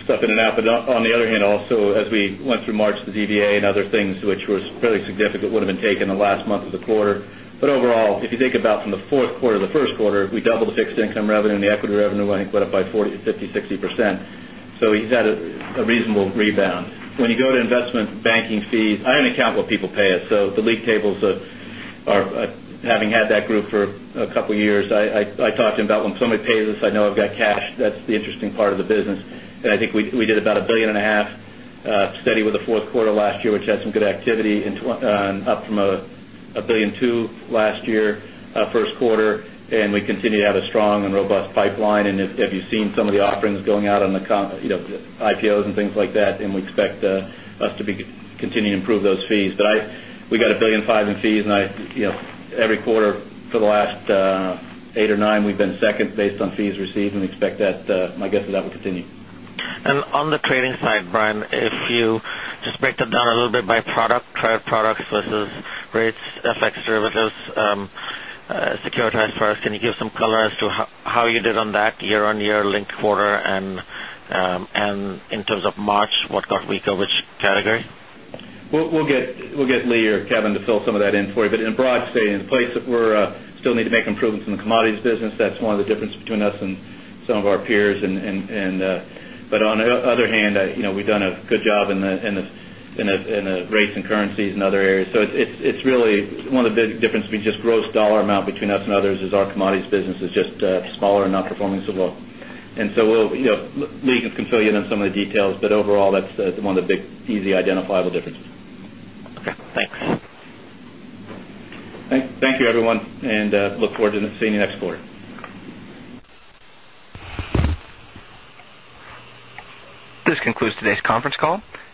stuff in and out. But on the other hand also as we went through March the DDA and other things which was fairly significant would have taken the last month of the quarter. But overall, if you think about from the Q4 to the Q1, we doubled the fixed income revenue and the equity revenue went up by 40%, 50%, 60%. So, he's had a reasonable rebound. When you go to investment banking fees, I don't account what people pay us. So, the lead tables are having had that group for a couple of years. I talked to him about when somebody pays us, I know I've got cash. That's the interesting part of the business. And I think we did about $1,500,000,000 steady with the Q4 last year, which had some good activity, up from $1,200,000,000 last year Q1, and we continue to have a strong and robust pipeline. And have you seen some of the offerings going out on the IPOs and things like that, and we expect us to continue to improve those fees. But we got $1,500,000,000 in fees and every quarter for the last 8 or 9 we've been second based on fees received and expect that my guess is that will continue. And on the trading side, Brian, if you just break that down a little bit by product, credit products versus rates, FX derivatives, securitized for us. Can you give some color as to how you did on that year on year linked quarter? And in terms of March, what got weaker, which category? We'll get Lee or Kevin to fill some of that in for you. But in broad state, in the place that we still need to make improvements in the commodities business, that's one of the difference between us and some of our peers. But on the other hand, we've done a good job in the rates and currencies and other areas. So it's really one of the big differences between just gross dollar amount between us and others is our commodities business is just smaller and not performing so well. And so we'll legal can fill you in some of the details, but overall that's one of the big easy identifiable differences. Okay. Thanks. Thank you, everyone. And look forward to seeing you next quarter. This concludes today's conference call.